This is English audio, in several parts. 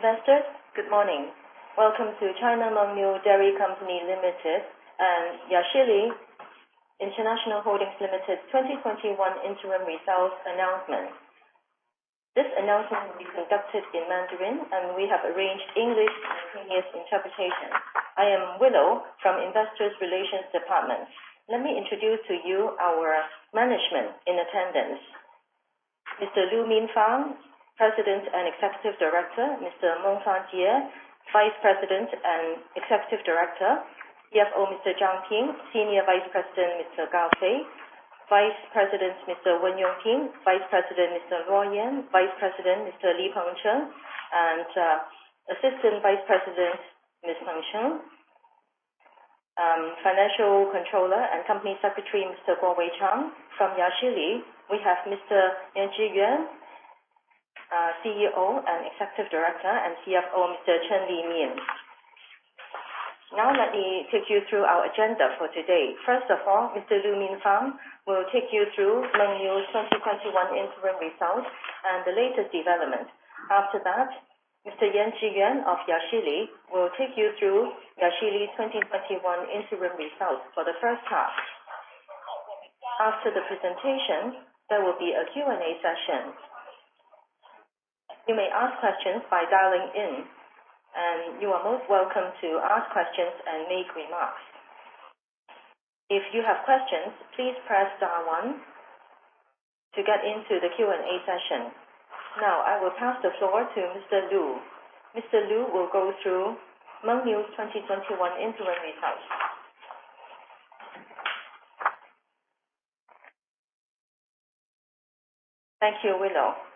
Investors, good morning. Welcome to China Mengniu Dairy Company Limited and Yashili International Holdings Limited 2021 Interim Results Announcement. This announcement will be conducted in Mandarin, and we have arranged English simultaneous interpretation. I am Willow from Investor Relations Department. Let me introduce to you our management in attendance, Mr. Lu Minfang, President and Executive Director, Mr. Meng Fanjie, Vice President and Executive Director, CFO Mr. Zhang Ping, Senior Vice President Mr. Gao Fei, Vice President Mr. Wen Yongping, Vice President Mr. Gao Yan, Vice President Mr. Li Pengcheng, and Assistant Vice President Ms. Feng Xian, Financial Controller and Company Secretary Mr. Kwok Wai Cheong. From Yashili, we have Mr. Yan Zhiyuan, CEO and Executive Director, and CFO Mr. Chen Limin. Let me take you through our agenda for today. First of all, Mr. Lu Minfang will take you through Mengniu's 2021 interim results and the latest development. After that, Mr. Yan Zhiyuan of Yashili will take you through Yashili's 2021 interim results for the first half. After the presentation, there will be a Q&A session. You may ask questions by dialing in, and you are most welcome to ask questions and make remarks. If you have questions, please press star one to get into the Q&A session. Now, I will pass the floor to Mr. Lu. Mr. Lu will go through Mengniu's 2021 interim results. Thank you, Willow.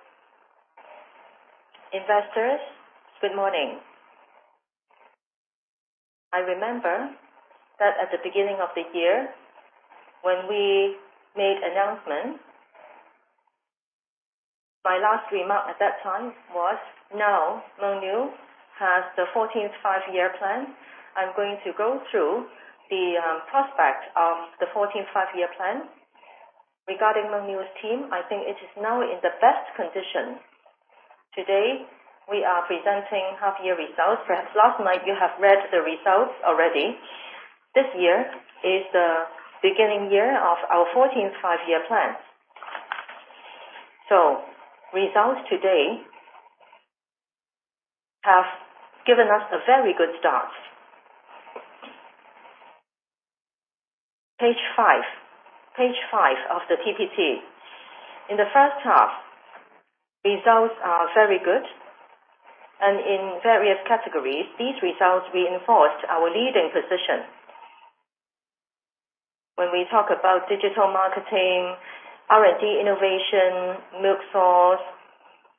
Investors, good morning. I remember that at the beginning of the year when we made announcements, my last remark at that time was, now Mengniu has the 14th Five-Year Plan. I'm going to go through the prospect of the 14th Five-Year Plan. Regarding Mengniu's team, I think it is now in the best condition. Today, we are presenting half-year results. Perhaps last night you have read the results already. This year is the beginning year of our 14th Five-Year Plan. Results today have given us a very good start. Page five of the PPT. In the first half, results are very good, and in various categories, these results reinforced our leading position. When we talk about digital marketing, R&D innovation, milk source,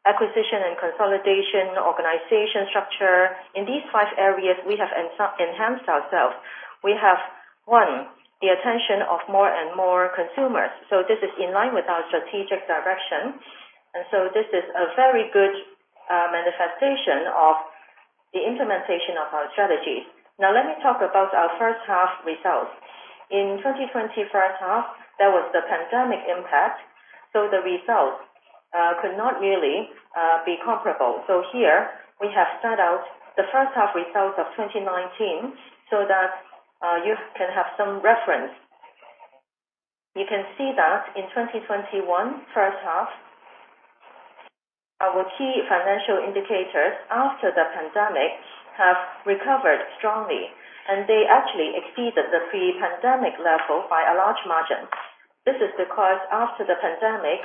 acquisition and consolidation, organization structure, in these five areas, we have enhanced ourselves. We have, one, the attention of more and more consumers. This is in line with our strategic direction, and so this is a very good manifestation of the implementation of our strategy. Now let me talk about our first-half results. In 2020 first half, there was the pandemic impact, so the results could not really be comparable. Here we have set out the first half results of 2019 so that you can have some reference. You can see that in 2021 first half, our key financial indicators after the pandemic have recovered strongly, they actually exceeded the pre-pandemic level by a large margin. This is because after the pandemic,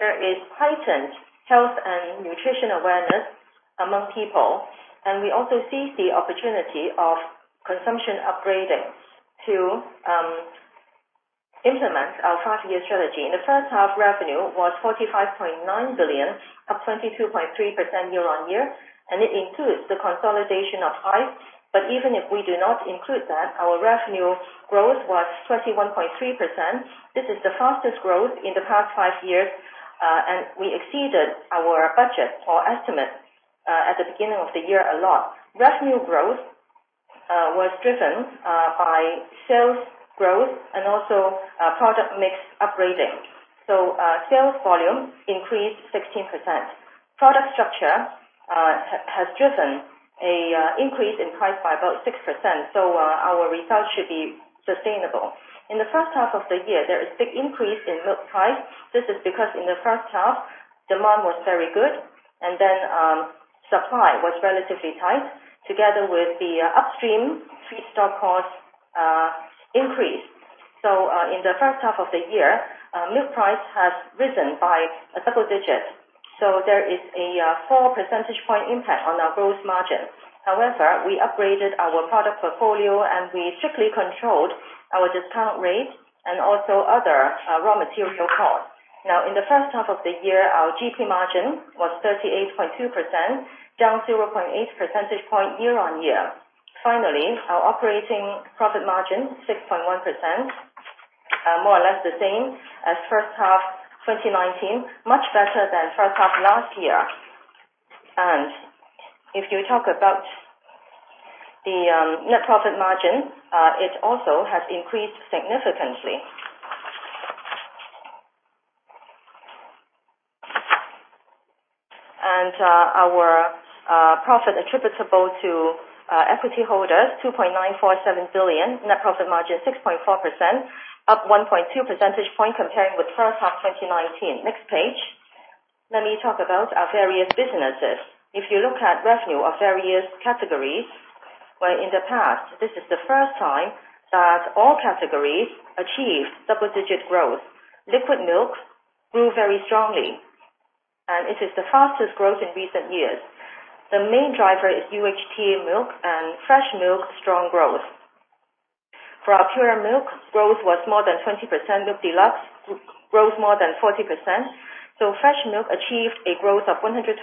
there is heightened health and nutrition awareness among people, we also seized the opportunity of consumption upgrading to implement our five-year strategy. In the first half, revenue was 45.9 billion, up 22.3% year-on-year, it includes the consolidation of Aice. Even if we do not include that, our revenue growth was 21.3%. This is the fastest growth in the past 5 years, we exceeded our budget or estimate at the beginning of the year a lot. Revenue growth was driven by sales growth and also product mix upgrading. Sales volume increased 16%. Product structure has driven an increase in price by about 6%, our results should be sustainable. In the first half of the year, there is big increase in milk price. This is because in the first half, demand was very good and then supply was relatively tight together with the upstream feedstock cost increase. In the first half of the year, milk price has risen by a double-digit. There is a 4 percentage point impact on our gross margin. However, we upgraded our product portfolio and we strictly controlled our discount rate and also other raw material costs. In the first half of the year, our GP margin was 38.2%, down 0.8 percentage point year-on-year. Our operating profit margin, 6.1%, more or less the same as first half 2019, much better than first half last year. If you talk about the net profit margin, it also has increased significantly. Our profit attributable to equity holders, 2.947 billion. Net profit margin 6.4%, up 1.2 percentage point comparing with first half 2019. Next page. Let me talk about our various businesses. If you look at revenue of various categories, well, in the past, this is the first time that all categories achieved double-digit growth. Liquid milk grew very strongly, and it is the fastest growth in recent years. The main driver is UHT milk and fresh milk strong growth. For our pure milk, growth was more than 20%. Milk Deluxe grows more than 40%, fresh milk achieved a growth of 120%.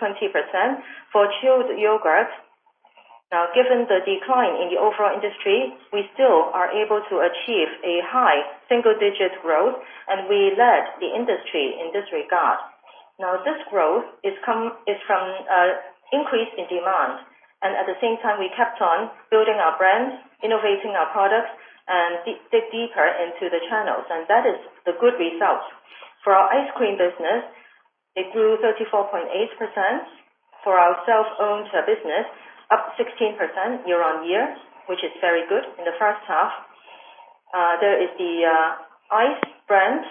For chilled yogurt, now given the decline in the overall industry, we still are able to achieve a high single-digit growth, and we led the industry in this regard. This growth is from increase in demand, and at the same time, we kept on building our brands, innovating our products, and dig deeper into the channels, and that is the good result. Our ice cream business, it grew 34.8%. Our self-owned business, up 16% year-on-year, which is very good in the first half. There is the Aice brand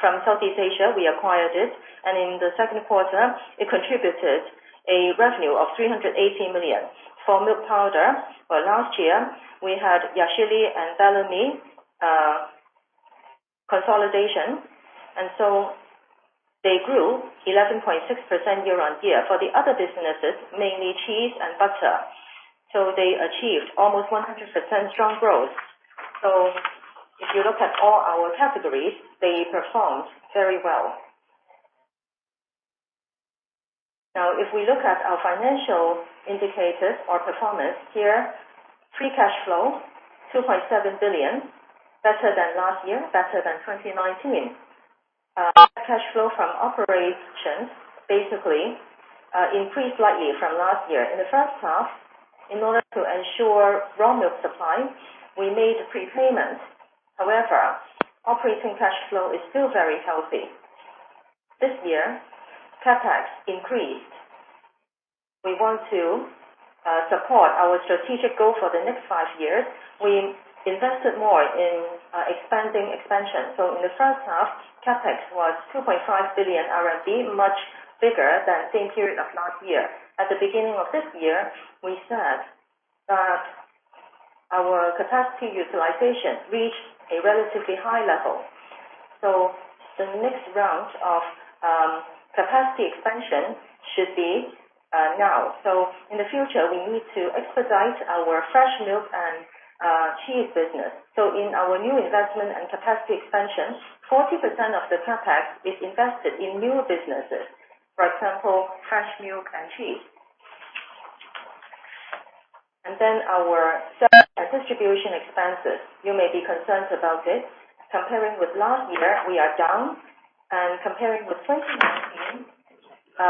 from Southeast Asia, we acquired it, and in the second quarter, it contributed a revenue of 380 million. Milk powder, well, last year, we had Yashili and Bellamy's consolidation, they grew 11.6% year-on-year. The other businesses, mainly cheese and butter, they achieved almost 100% strong growth. If you look at all our categories, they performed very well. If we look at our financial indicators or performance, here, free cash flow 2.7 billion, better than last year, better than 2019. Cash flow from operations basically increased slightly from last year. In the first half, in order to ensure raw milk supply, we made a prepayment. Operating cash flow is still very healthy. This year, CapEx increased. We want to support our strategic goal for the next five years. We invested more in expanding expansion. In the first half, CapEx was 2.5 billion RMB, much bigger than same period of last year. At the beginning of this year, we said that our capacity utilization reached a relatively high level. The next round of capacity expansion should be now. In the future, we need to expedite our fresh milk and cheese business. In our new investment and capacity expansion, 40% of the CapEx is invested in new businesses, for example, fresh milk and cheese. Our sales and distribution expenses. You may be concerned about it. Comparing with last year, we are down, and comparing with 2019,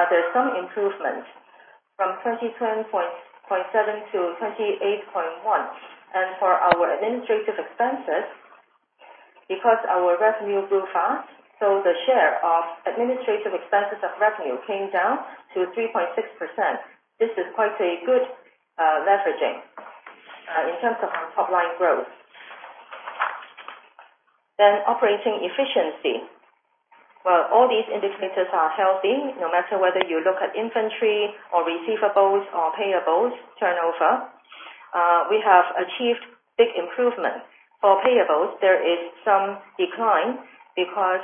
there's some improvement from 22.7 to 28.1. For our administrative expenses, because our revenue grew fast, the share of administrative expenses of revenue came down to 3.6%. This is quite a good leveraging in terms of our top-line growth. Operating efficiency. Well, all these indicators are healthy, no matter whether you look at inventory or receivables or payables turnover. We have achieved big improvement. For payables, there is some decline because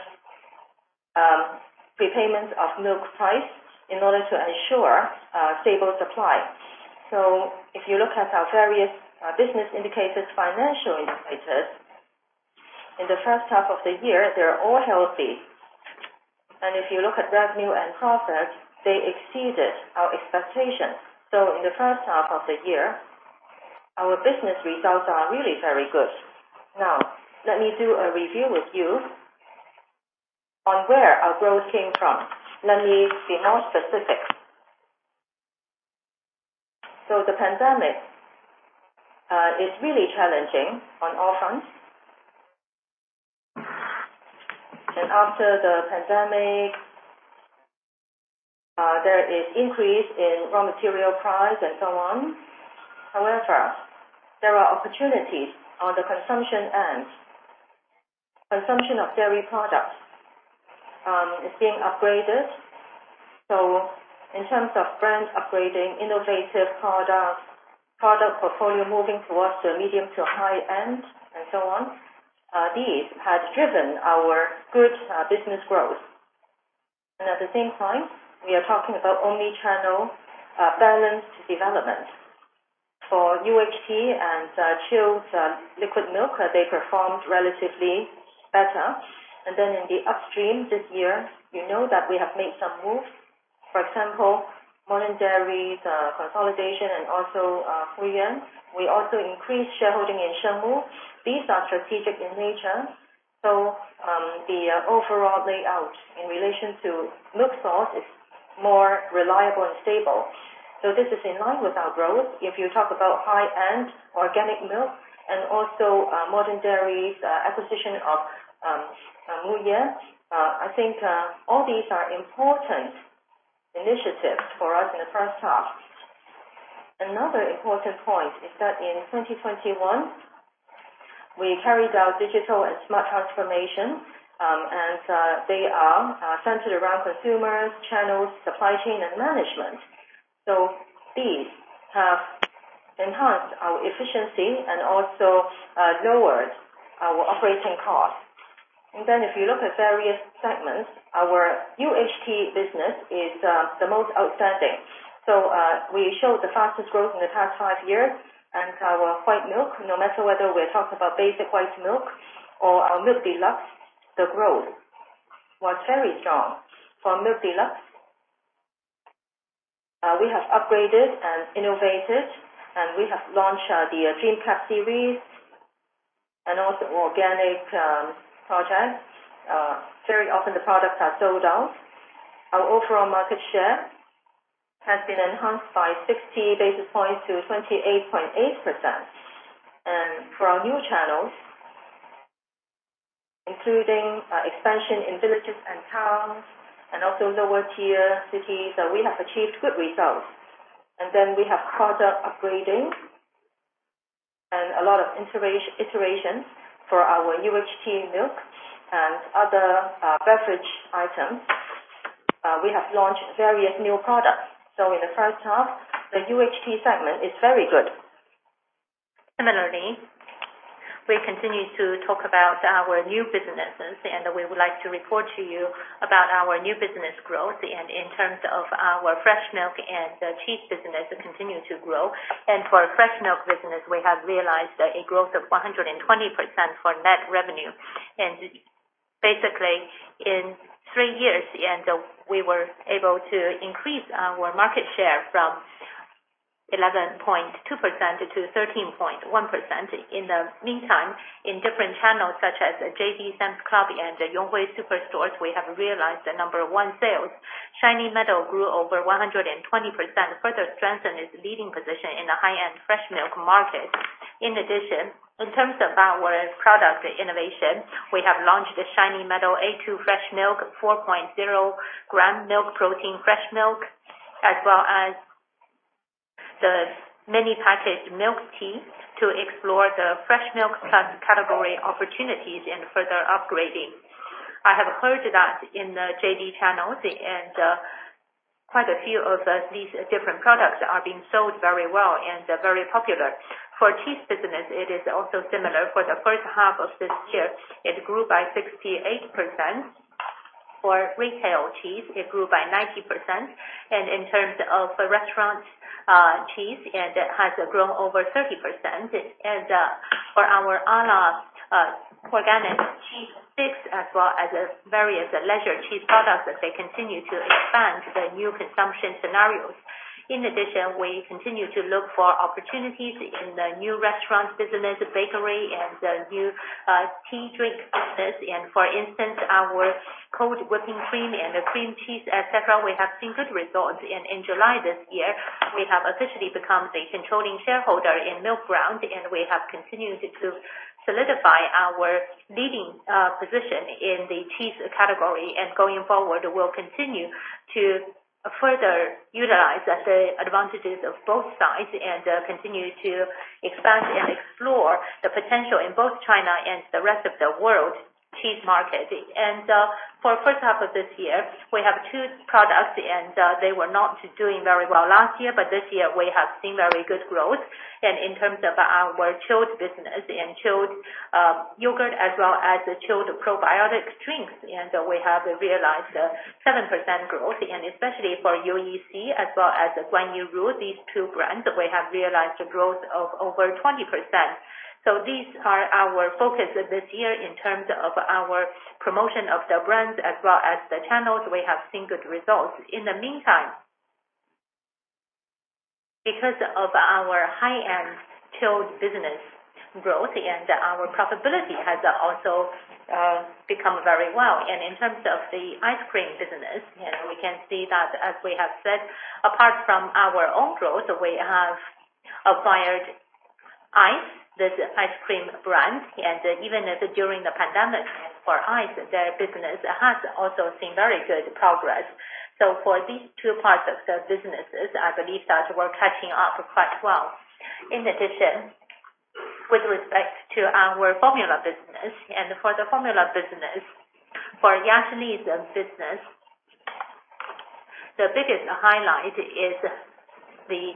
prepayment of milk price in order to ensure stable supply. If you look at our various business indicators, financial indicators, in the first half of the year, they're all healthy. If you look at revenue and profit, they exceeded our expectation. In the first half of the year, our business results are really very good. Now let me do a review with you on where our growth came from. Let me be more specific. The pandemic is really challenging on all fronts. After the pandemic, there is increase in raw material price and so on. However, there are opportunities on the consumption end. Consumption of dairy products is being upgraded, so in terms of brand upgrading, innovative products, product portfolio moving towards the medium to high end, and so on. These have driven our good business growth. At the same time, we are talking about omni-channel balanced development. For UHT and chilled liquid milk, they performed relatively better. In the upstream this year, you know that we have made some moves, for example, Modern Dairy's consolidation and also Fuyuan. We also increased shareholding in Shengmu. These are strategic in nature. The overall layout in relation to milk source is more reliable and stable. This is in line with our growth. If you talk about high-end organic milk and also China Modern Dairy's acquisition of Muye, I think all these are important initiatives for us in the first half. Another important point is that in 2021, we carried out digital and smart transformation, they are centered around consumers, channels, supply chain, and management. These have enhanced our efficiency and also lowered our operating costs. If you look at various segments, our UHT business is the most outstanding. We showed the fastest growth in the past five years. Our white milk, no matter whether we're talking about basic white milk or our Milk Deluxe, the growth was very strong. For Milk Deluxe, we have upgraded and innovated. We have launched the Dream Cap series and also organic projects. Very often the products are sold out. Our overall market share has been enhanced by 60 basis points to 28.8%. For our new channels, including expansion in villages and towns, and also lower tier cities, we have achieved good results. We have product upgrading and a lot of iterations for our UHT milk and other beverage items. We have launched various new products. In the first half, the UHT segment is very good. Similarly, we continue to talk about our new businesses. We would like to report to you about our new business growth. In terms of our fresh milk and cheese business continue to grow. For fresh milk business, we have realized a growth of 120% for net revenue. Basically in three years, we were able to increase our market share from 11.2% to 13.1%. In the meantime, in different channels such as JD, Sam's Club, and Yonghui Superstores, we have realized the number one sales. Shiny Meadow grew over 120%, further strengthen its leading position in the high-end fresh milk market. In addition, in terms of our product innovation, we have launched the Shiny Meadow A2 Fresh Milk, 4.0-gram milk protein fresh milk, as well as the mini package milk tea to explore the fresh milk category opportunities and further upgrading. I have heard that in the JD channels quite a few of these different products are being sold very well and they're very popular. For cheese business, it is also similar. For the first half of this year, it grew by 68%. For retail cheese, it grew by 90%. In terms of restaurant cheese, and it has grown over 30%. For our Mengniu Cheese Sticks, as well as various leisure cheese products, they continue to expand the new consumption scenarios. In addition, we continue to look for opportunities in the new restaurant business, bakery, and the new tea drink business. For instance, our cold whipping cream and the cream cheese, et cetera, we have seen good results. In July this year, we have officially become the controlling shareholder in Milkground, and we have continued to solidify our leading position in the cheese category. Going forward, we'll continue to further utilize the advantages of both sides and continue to expand and explore the potential in both China and the rest of the world cheese market. For first half of this year, we have two products and they were not doing very well last year, but this year we have seen very good growth. In terms of our chilled business and chilled yogurt, as well as the chilled probiotic drinks, and we have realized 7% growth and especially for Yoyi C as well as Yourui, these two brands, we have realized a growth of over 20%. These are our focus this year in terms of our promotion of the brands as well as the channels. We have seen good results. In the meantime, because of our high-end chilled business growth and our profitability has also become very well. In terms of the ice cream business, and we can see that as we have said, apart from our own growth, we have acquired Aice, this ice cream brand. Even during the pandemic for Aice, their business has also seen very good progress. For these two parts of the businesses, I believe that we're catching up quite well. In addition, with respect to our formula business and for the formula business, for Yashili's business, the biggest highlight is the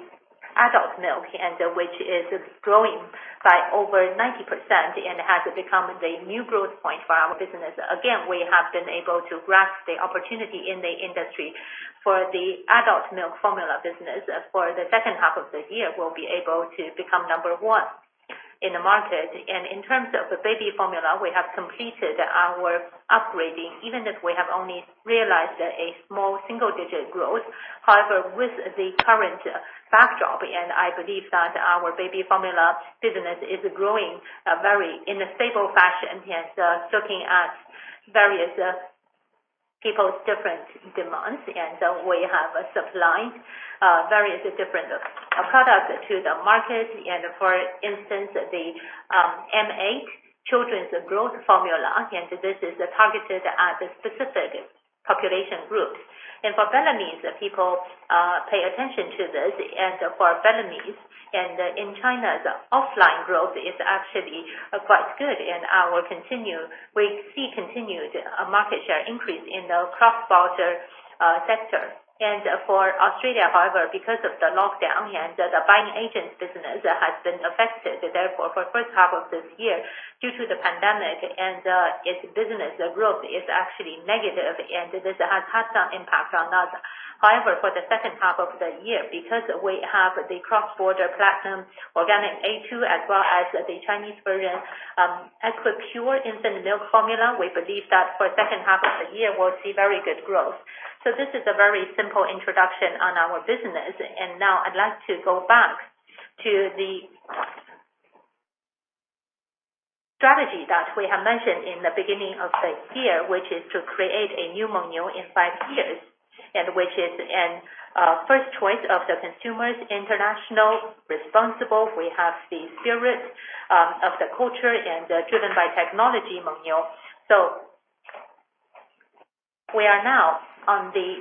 adult milk and which is growing by over 90% and has become the new growth point for our business. Again, we have been able to grasp the opportunity in the industry for the adult milk formula business. As for the second half of the year, we'll be able to become number 1 in the market. In terms of baby formula, we have completed our upgrading, even if we have only realized a small single-digit growth. However, with the current backdrop, I believe that our baby formula business is growing very in a stable fashion. Looking at various people's different demands, we have supplied various different products to the market. For instance, the M8 children's growth formula. This is targeted at specific population groups. For Bellamy's people, pay attention to this. For Bellamy's, in China, the offline growth is actually quite good and we see continued market share increase in the cross-border sector. For Australia, however, because of the lockdown and the buying agent business has been affected, therefore, for the first half of this year, due to the pandemic and its business growth is actually negative. This has had some impact on us. However, for the second half of the year, because we have the cross-border platinum, organic A2, as well as the Chinese version, EquiPure infant milk formula, we believe that for the second half of the year, we'll see very good growth. This is a very simple introduction on our business. Now I'd like to go back to the strategy that we have mentioned in the beginning of the year, which is to create a new Mengniu in five years, and which is in first choice of the consumers, international, responsible. We have the spirit of the culture and driven by technology, Mengniu. We are now on the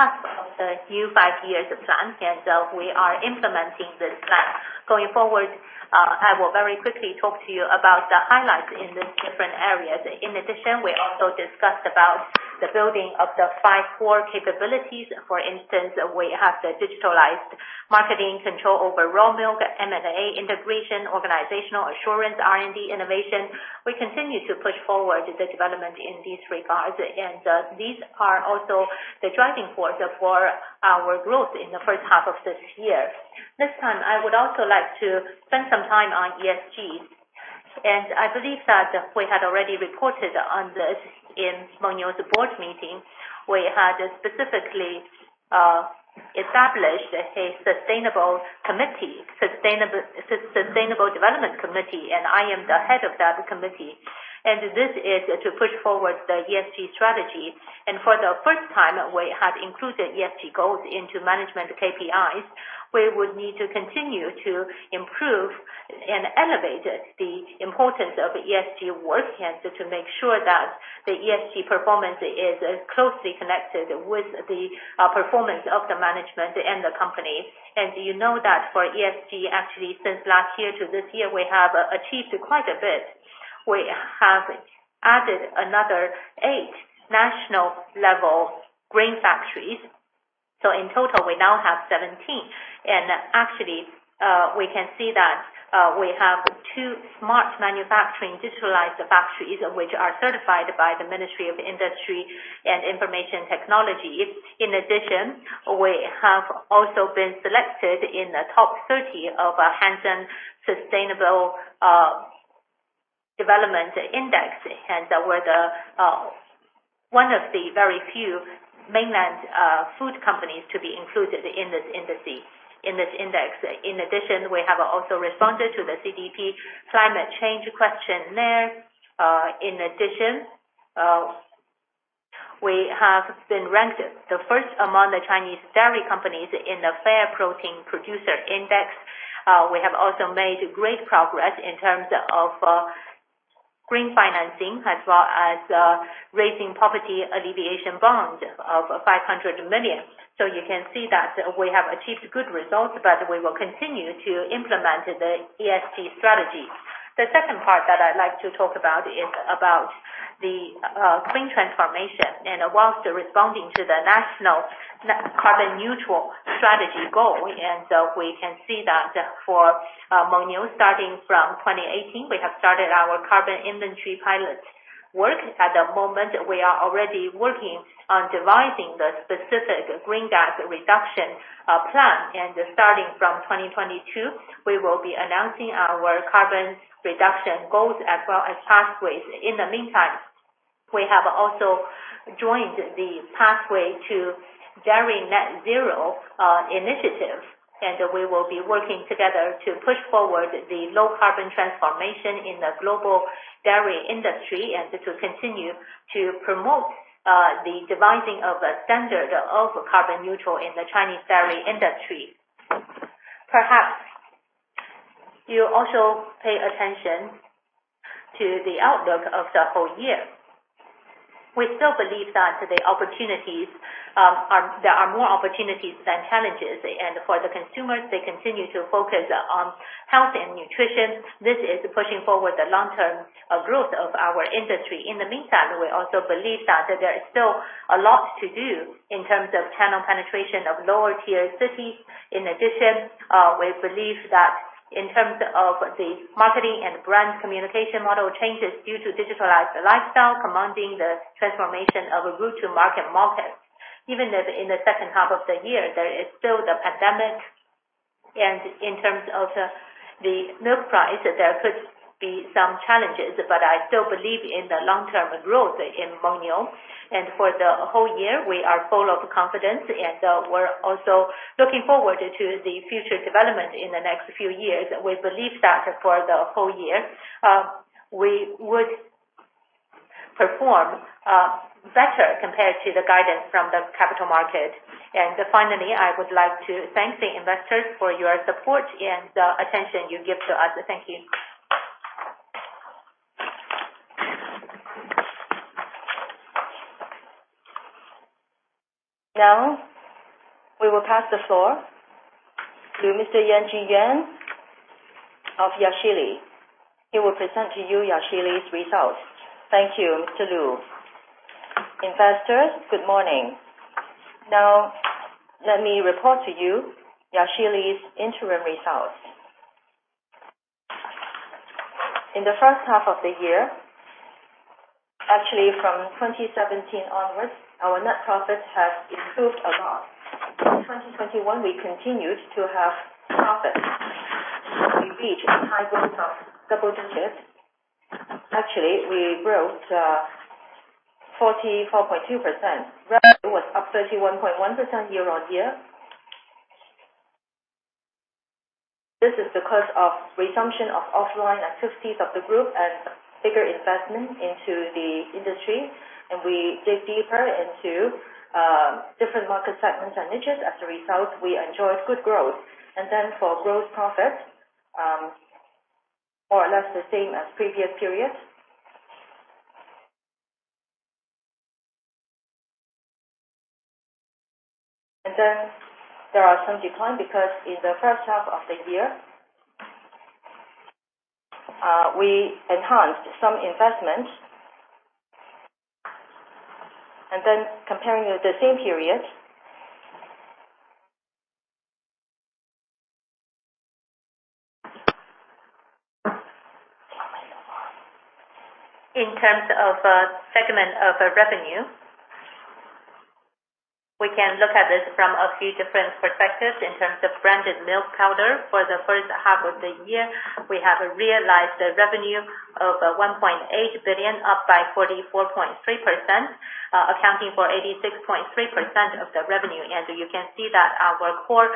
cusp of the new five-year plan, and we are implementing this plan. Going forward, I will very quickly talk to you about the highlights in these different areas. In addition, we also discussed about the building of the five core capabilities. For instance, we have the digitalized marketing control over raw milk, M&A integration, organizational assurance, R&D, innovation. We continue to push forward the development in these regards, and these are also the driving force for our growth in the first half of this year. This time, I would also like to spend some time on ESGs. I believe that we had already reported on this in Mengniu's board meeting. We had specifically established a sustainable development committee, and I am the head of that committee. This is to push forward the ESG strategy. For the first time, we have included ESG goals into management KPIs. We would need to continue to improve and elevate the importance of ESG work, to make sure that the ESG performance is as closely connected with the performance of the management and the company. You know that for ESG, actually, since last year to this year, we have achieved quite a bit. We have added another eight national-level green factories. In total, we now have 17. Actually, we can see that we have two smart manufacturing digitalized factories, which are certified by the Ministry of Industry and Information Technology. In addition, we have also been selected in the top 30 of Hang Seng Sustainable Development Enterprises Index, we're one of the very few mainland food companies to be included in this index. In addition, we have also responded to the CDP climate change questionnaire. We have been ranked the first among the Chinese dairy companies in the FAIRR Protein Producer Index. We have also made great progress in terms of green financing as well as raising poverty alleviation bonds of 500 million. You can see that we have achieved good results, but we will continue to implement the ESG strategy. The second part that I'd like to talk about is about the green transformation. Whilst responding to the national carbon neutral strategy goal, we can see that for Mengniu, starting from 2018, we have started our carbon inventory pilot work. At the moment, we are already working on devising the specific green gas reduction plan, starting from 2022, we will be announcing our carbon reduction goals as well as pathways. In the meantime, we have also joined the Pathway to Dairy Net Zero Initiative, and we will be working together to push forward the low-carbon transformation in the global dairy industry and to continue to promote the devising of a standard of carbon-neutral in the Chinese dairy industry. Perhaps, you also pay attention to the outlook of the whole year. We still believe that there are more opportunities than challenges. For the consumers, they continue to focus on health and nutrition. This is pushing forward the long-term growth of our industry. In the meantime, we also believe that there is still a lot to do in terms of channel penetration of lower-tier cities. In addition, we believe that in terms of the marketing and brand communication model changes due to digitalized lifestyle, commanding the transformation of a Route-to-Market models. Even if in the second half of the year, there is still the pandemic. In terms of the milk price, there could be some challenges, but I still believe in the long-term growth in Mengniu. For the whole year, we are full of confidence, and we're also looking forward to the future development in the next few years. We believe that for the whole year, we would perform better compared to the guidance from the capital market. Finally, I would like to thank the investors for your support and the attention you give to us. Thank you. Now, we will pass the floor to Mr. Yan Zhiyuan of Yashili. He will present to you Yashili's results. Thank you, Mr. Lu. Investors, good morning. Let me report to you Yashili's interim results. In the first half of the year, actually from 2017 onwards, our net profit has improved a lot. In 2021, we continued to have profit. We reached a high growth of double digits. Actually, we grew to 44.2%. Revenue was up 31.1% year-on-year. This is because of resumption of offline activities of the group and bigger investment into the industry. We dig deeper into different market segments and niches. As a result, we enjoy good growth. For gross profits, more or less the same as previous periods. There are some decline because in the first half of the year, we enhanced some investments, comparing with the same period. In terms of segment of revenue, we can look at this from a few different perspectives in terms of branded milk powder. For the first half of the year, we have realized revenue of 1.8 billion, up by 44.3%, accounting for 86.3% of the revenue. You can see that our core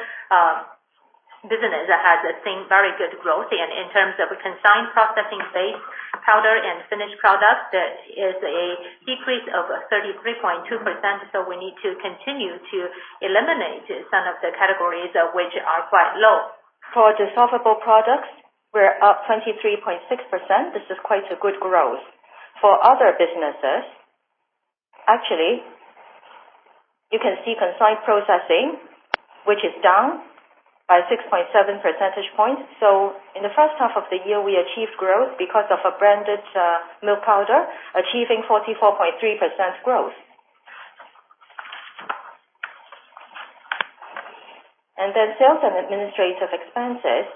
business has seen very good growth. In terms of consign processing base powder and finished product, that is a decrease of 33.2%. We need to continue to eliminate some of the categories which are quite low. For dissolvable products, we're up 23.6%. This is quite a good growth. For other businesses, actually, you can see consign processing, which is down by 6.7 percentage points. In the first half of the year, we achieved growth because of a branded milk powder, achieving 44.3% growth. Sales and administrative expenses.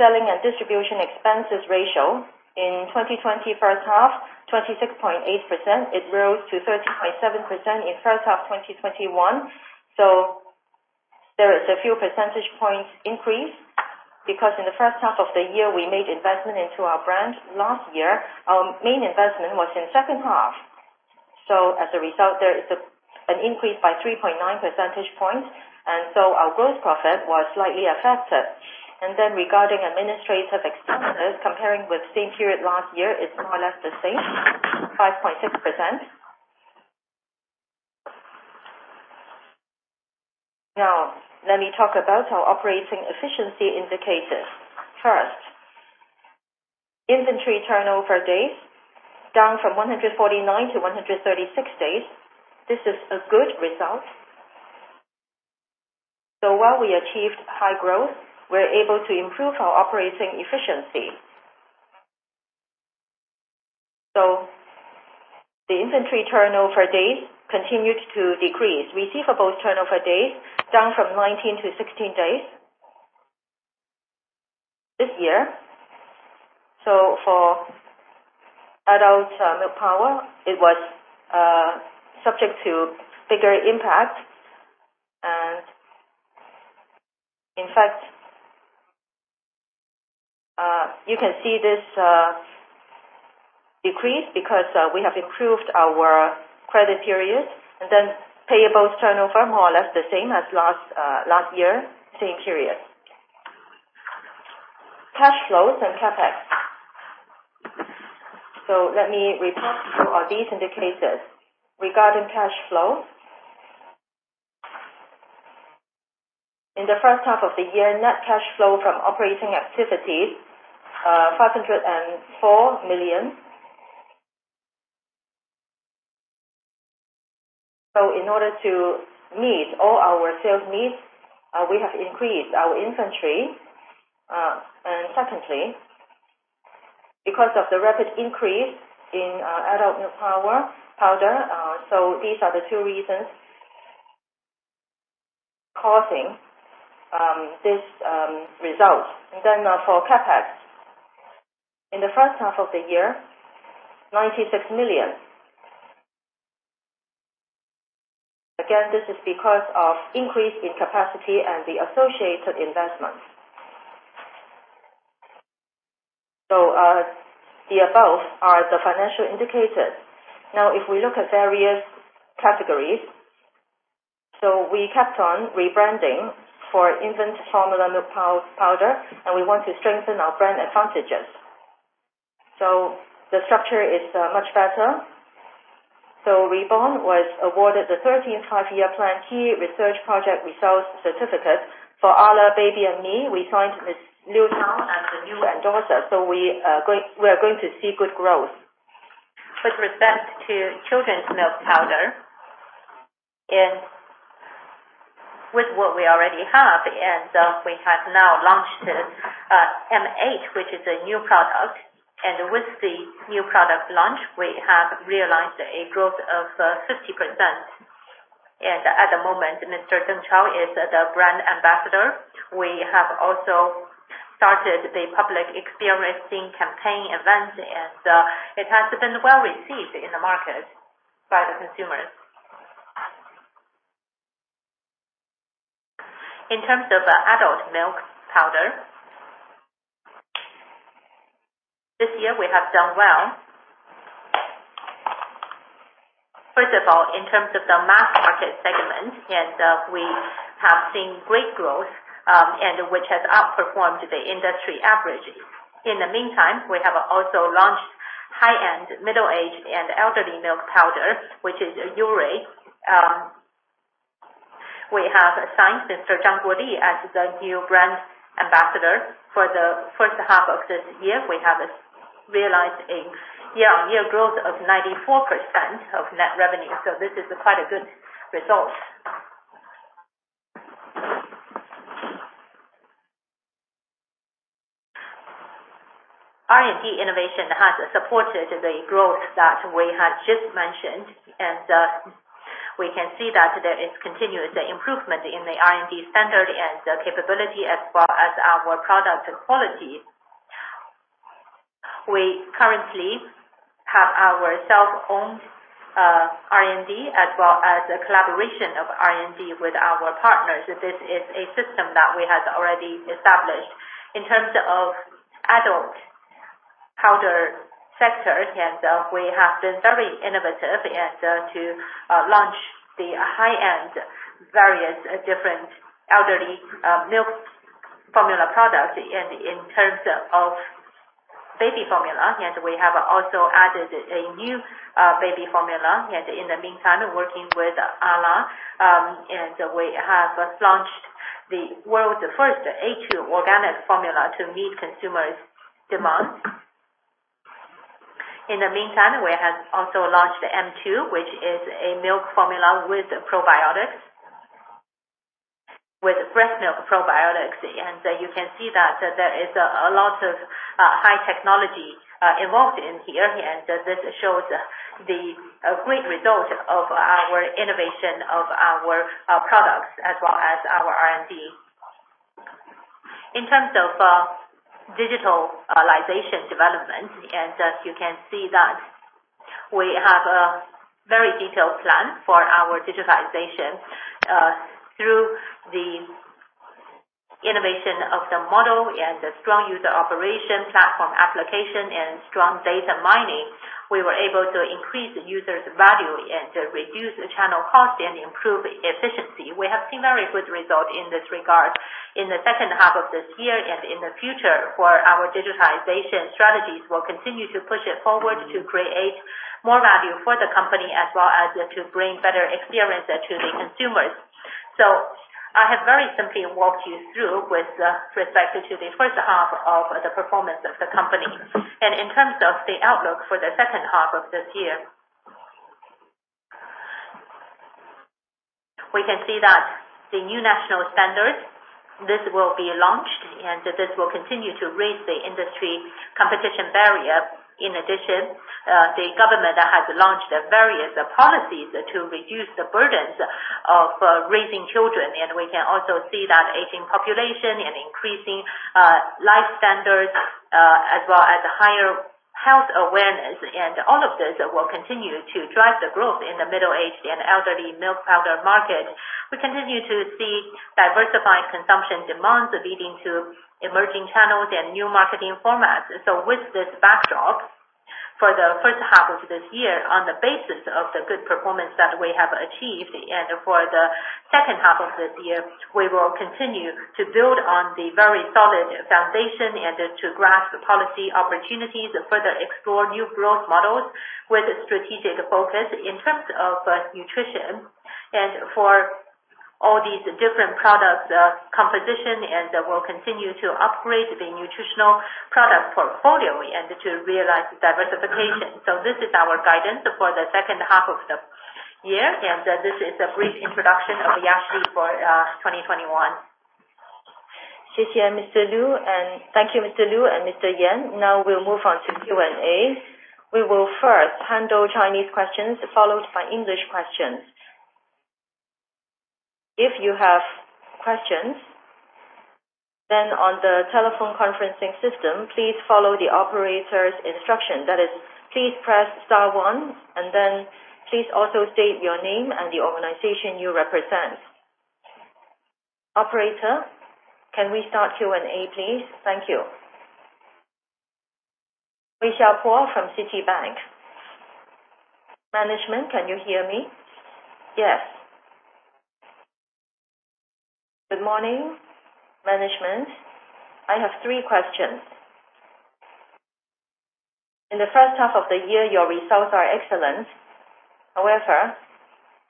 Selling and distribution expenses ratio in 2020 first half, 26.8%. It rose to 30.7% in first half 2021. There is a few percentage points increase because in the first half of the year, we made investment into our brand. Last year, our main investment was in second half. As a result, there is an increase by 3.9 percentage points, our gross profit was slightly affected. Regarding administrative expenses, comparing with same period last year, it is more or less the same, 5.6%. Let me talk about our operating efficiency indicators. First, inventory turnover days, down from 149 to 136 days. This is a good result. While we achieved high growth, we are able to improve our operating efficiency. The inventory turnover days continued to decrease. Receivables turnover days, down from 19 to 16 days this year. For adult milk powder, it was subject to bigger impact. In fact, you can see this decrease because we have improved our credit period. Payables turnover, more or less the same as last year, same period. Cash flows and CapEx. Let me report a few of these indicators. Regarding cash flow, in the first half of the year, net cash flow from operating activity, CNY 504 million. In order to meet all our sales needs, we have increased our inventory. Secondly, because of the rapid increase in adult milk powder. These are the two reasons causing this result. For CapEx. In the first half of the year, 96 million. Again, this is because of increase in capacity and the associated investments. The above are the financial indicators. If we look at various categories, we kept on rebranding for infant formula milk powder, and we want to strengthen our brand advantages. The structure is much better. Reeborne was awarded the 13th Five-Year Plan key research project results certificate. For Arla Baby & Me, we signed with Liu Tao as the new endorser, so we are going to see good growth. With respect to children's milk powder, with what we already have, and we have now launched M8, which is a new product, and with the new product launch, we have realized a growth of 50%. At the moment, Mr. Deng Chao is the brand ambassador. We have also started the public experiencing campaign event, and it has been well-received in the market by the consumers. In terms of adult milk powder, this year we have done well. In terms of the mass market segment, we have seen great growth, which has outperformed the industry average. In the meantime, we have also launched high-end, middle-aged, and elderly milk powder, which is Yourui. We have signed Mr. Zhang Guoli as the new brand ambassador. For the first half of this year, we have realized a year-on-year growth of 94% of net revenue. This is quite a good result. R&D innovation has supported the growth that we had just mentioned, we can see that there is continuous improvement in the R&D standard and the capability as well as our product quality. We currently have our self-owned R&D, as well as a collaboration of R&D with our partners. This is a system that we have already established. In terms of adult powder sectors, we have been very innovative and to launch the high-end, various different elderly milk formula products. In terms of baby formula, we have also added a new baby formula. In the meantime, working with Arla, we have launched the world's first A2 organic formula to meet consumers' demands. In the meantime, we have also launched M2, which is a milk formula with probiotics, with breast milk probiotics. You can see that there is a lot of high technology involved in here, this shows the great result of our innovation of our products as well as our R&D. In terms of digitalization development, as you can see that we have a very detailed plan for our digitalization. Through the innovation of the model and the strong user operation platform application and strong data mining, we were able to increase the user's value and reduce the channel cost and improve efficiency. We have seen very good result in this regard. In the second half of this year and in the future, for our digitalization strategies, we'll continue to push it forward to create more value for the company as well as to bring better experience to the consumers. I have very simply walked you through with respect to the first half of the performance of the company. In terms of the outlook for the second half of this year, we can see that the new national standards, this will be launched, and this will continue to raise the industry competition barrier. In addition, the government has launched various policies to reduce the burdens of raising children. We can also see that aging population and increasing life standards, as well as higher health awareness, all of this will continue to drive the growth in the middle-aged and elderly milk powder market. We continue to see diversified consumption demands leading to emerging channels and new marketing formats. With this backdrop, for the first half of this year, on the basis of the good performance that we have achieved, for the second half of this year, we will continue to build on the very solid foundation and to grasp policy opportunities to further explore new growth models with strategic focus in terms of nutrition for all these different products composition. We'll continue to upgrade the nutritional product portfolio and to realize diversification. This is our guidance for the second half of the year, and this is a brief introduction of Yashili for 2021. Thank you, Mr. Lu and Mr. Yan. Now we'll move on to Q&A. We will first handle Chinese questions, followed by English questions. If you have questions, on the telephone conferencing system, please follow the operator's instruction. That is, please press star one, please also state your name and the organization you represent. Operator, can we start Q&A, please? Thank you. Wei Xiaopo from Citibank. Management, can you hear me? Yes. Good morning, management. I have three questions. In the first half of the year, your results are excellent. However,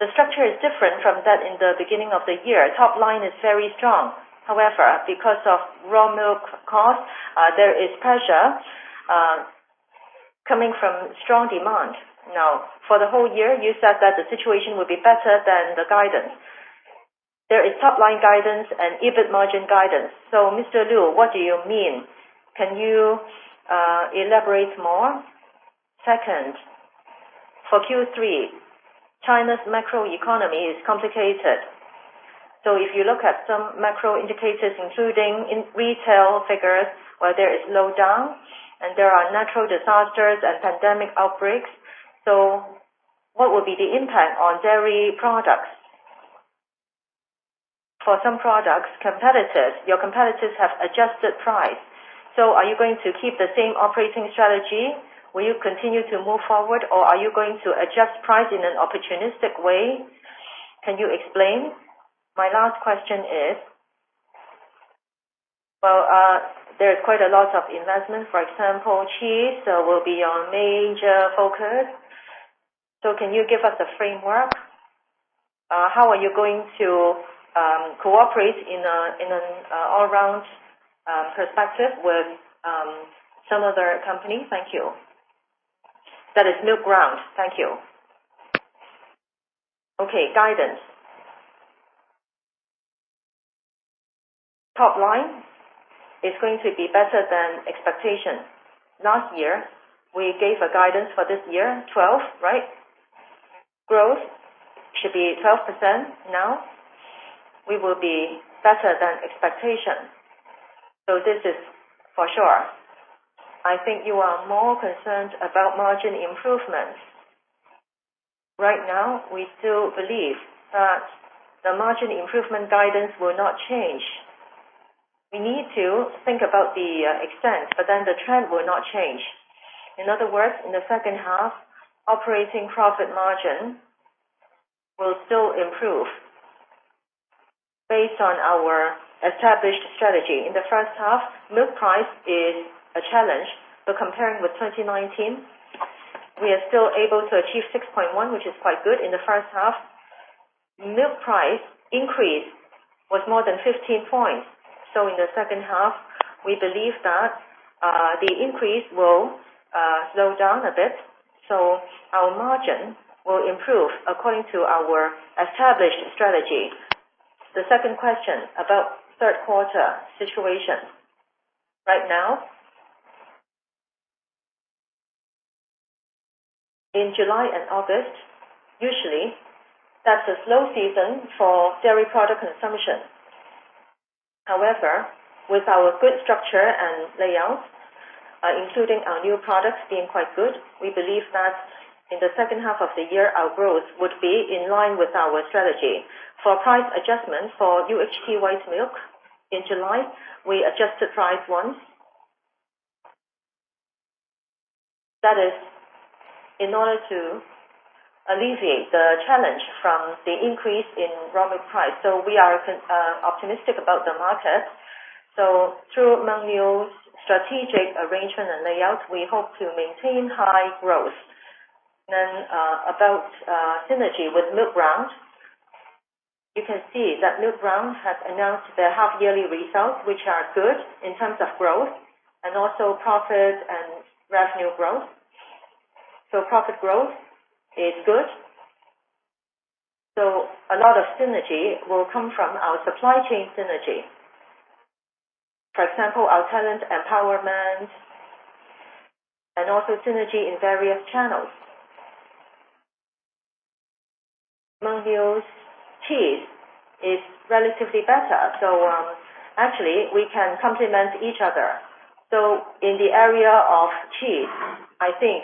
the structure is different from that in the beginning of the year. Top line is very strong. However, because of raw milk cost, there is pressure coming from strong demand. For the whole year, you said that the situation will be better than the guidance. There is top-line guidance and EBIT margin guidance. Mr. Lu, what do you mean? Can you elaborate more? Second, for Q3, China's macro economy is complicated. If you look at some macro indicators, including retail figures, where there is slowdown and there are natural disasters and pandemic outbreaks. What will be the impact on dairy products? For some products, your competitors have adjusted price. Are you going to keep the same operating strategy? Will you continue to move forward, or are you going to adjust price in an opportunistic way? Can you explain? My last question is, there are quite a lot of investments. For example, cheese will be your major focus. Can you give us a framework? How are you going to cooperate in an all-round perspective with some other company? Thank you. That is Milkground. Thank you. Okay, guidance. Top line is going to be better than expectation. Last year, we gave a guidance for this year, 12%, right? Growth should be 12%. Now, we will be better than expectation. This is for sure. I think you are more concerned about margin improvements. Right now, we still believe that the margin improvement guidance will not change. We need to think about the extent, but then the trend will not change. In other words, in the second half, operating profit margin will still improve based on our established strategy. In the first half, milk price is a challenge, but comparing with 2019, we are still able to achieve 6.1%, which is quite good. In the first half, milk price increase was more than 15 points. In the second half, we believe that the increase will slow down a bit. Our margin will improve according to our established strategy. The second question, about third quarter situation. Right now, in July and August, usually, that's a slow season for dairy product consumption. However, with our good structure and layout, including our new products being quite good, we believe that in the second half of the year, our growth would be in line with our strategy. For price adjustment for UHT white milk, in July, we adjusted price once. That is in order to alleviate the challenge from the increase in raw milk price. We are optimistic about the market. Through Mengniu's strategic arrangement and layout, we hope to maintain high growth. About synergy with Milkground. You can see that Milkground has announced their half-yearly results, which are good in terms of growth and also profit and revenue growth. Profit growth is good. A lot of synergy will come from our supply chain synergy. For example, our talent empowerment and also synergy in various channels. Mengniu's cheese is relatively better. Actually, we can complement each other. In the area of cheese, I think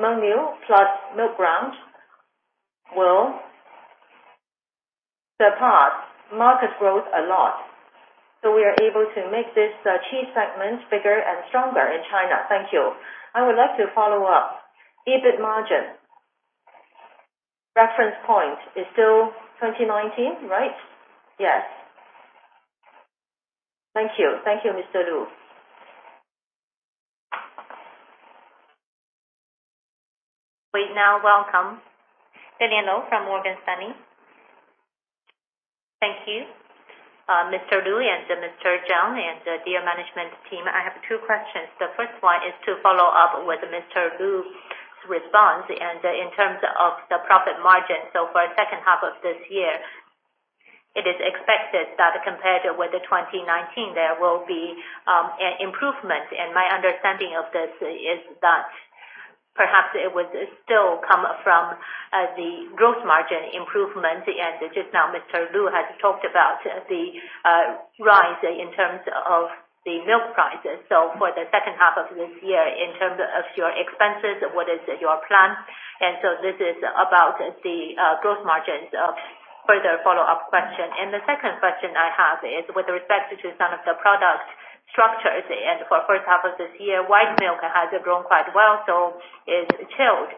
Mengniu plus Milkground will surpass market growth a lot. We are able to make this cheese segment bigger and stronger in China. Thank you. I would like to follow up. EBIT margin reference point is still 2019, right? Yes. Thank you. Thank you, Mr. Lu. We now welcome Lillian Lou from Morgan Stanley. Thank you, Mr. Lu and Mr. Zhang, dear management team. I have two questions. The first one is to follow up with Mr. Lu's response, in terms of the profit margin. For second half of this year, it is expected that compared with 2019, there will be an improvement, my understanding of this is that perhaps it would still come from the gross margin improvement. Just now, Mr. Lu has talked about the rise in terms of the milk prices. For the second half of this year, in terms of your expenses, what is your plan? This is about the gross margins, a further follow-up question. The second question I have is with respect to some of the product structures. For first half of this year, white milk has grown quite well, so is chilled.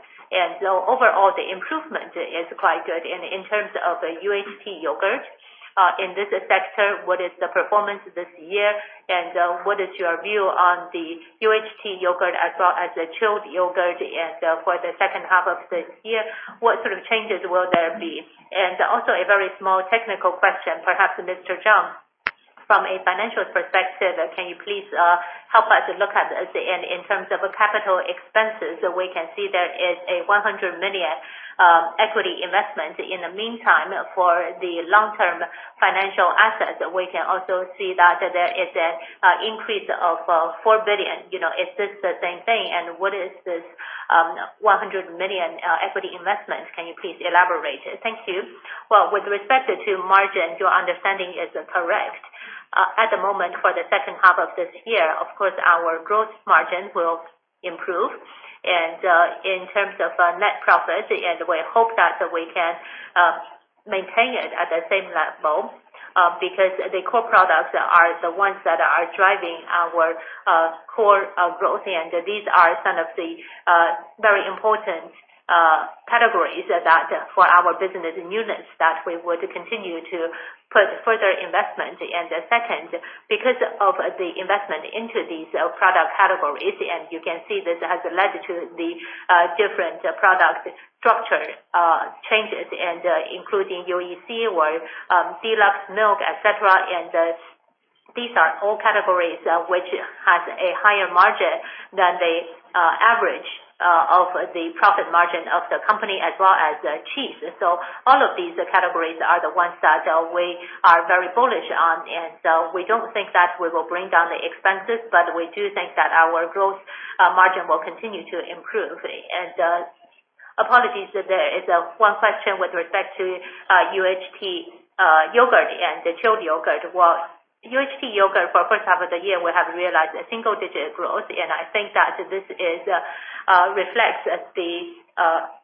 Overall, the improvement is quite good. In terms of UHT yogurt, in this sector, what is the performance this year? What is your view on the UHT yogurt as well as the chilled yogurt? For the second half of this year, what sort of changes will there be? Also a very small technical question, perhaps, Mr. Zhang, from a financial perspective, can you please help us look at this in terms of capital expenses? We can see there is a 100 million equity investment. In the meantime, for the long-term financial assets, we can also see that there is an increase of 4 billion. Is this the same thing? What is this 100 million equity investment? Can you please elaborate? Thank you. Well, with respect to margin, your understanding is correct. At the moment for the second half of this year, of course, our growth margin will improve. In terms of net profit, we hope that we can maintain it at the same level, because the core products are the ones that are driving our core growth. These are some of the very important categories for our business units that we would continue to put further investment. Second, because of the investment into these product categories, you can see this has led to the different product structure changes including Yoyi C or Milk Deluxe, et cetera. These are all categories which has a higher margin than the average of the profit margin of the company as well as cheese. All of these categories are the ones that we are very bullish on. We don't think that we will bring down the expenses, but we do think that our growth margin will continue to improve. Apologies that there is one question with respect to UHT yogurt and the chilled yogurt. Well, UHT yogurt for first half of the year, we have realized a single-digit growth, and I think that this reflects the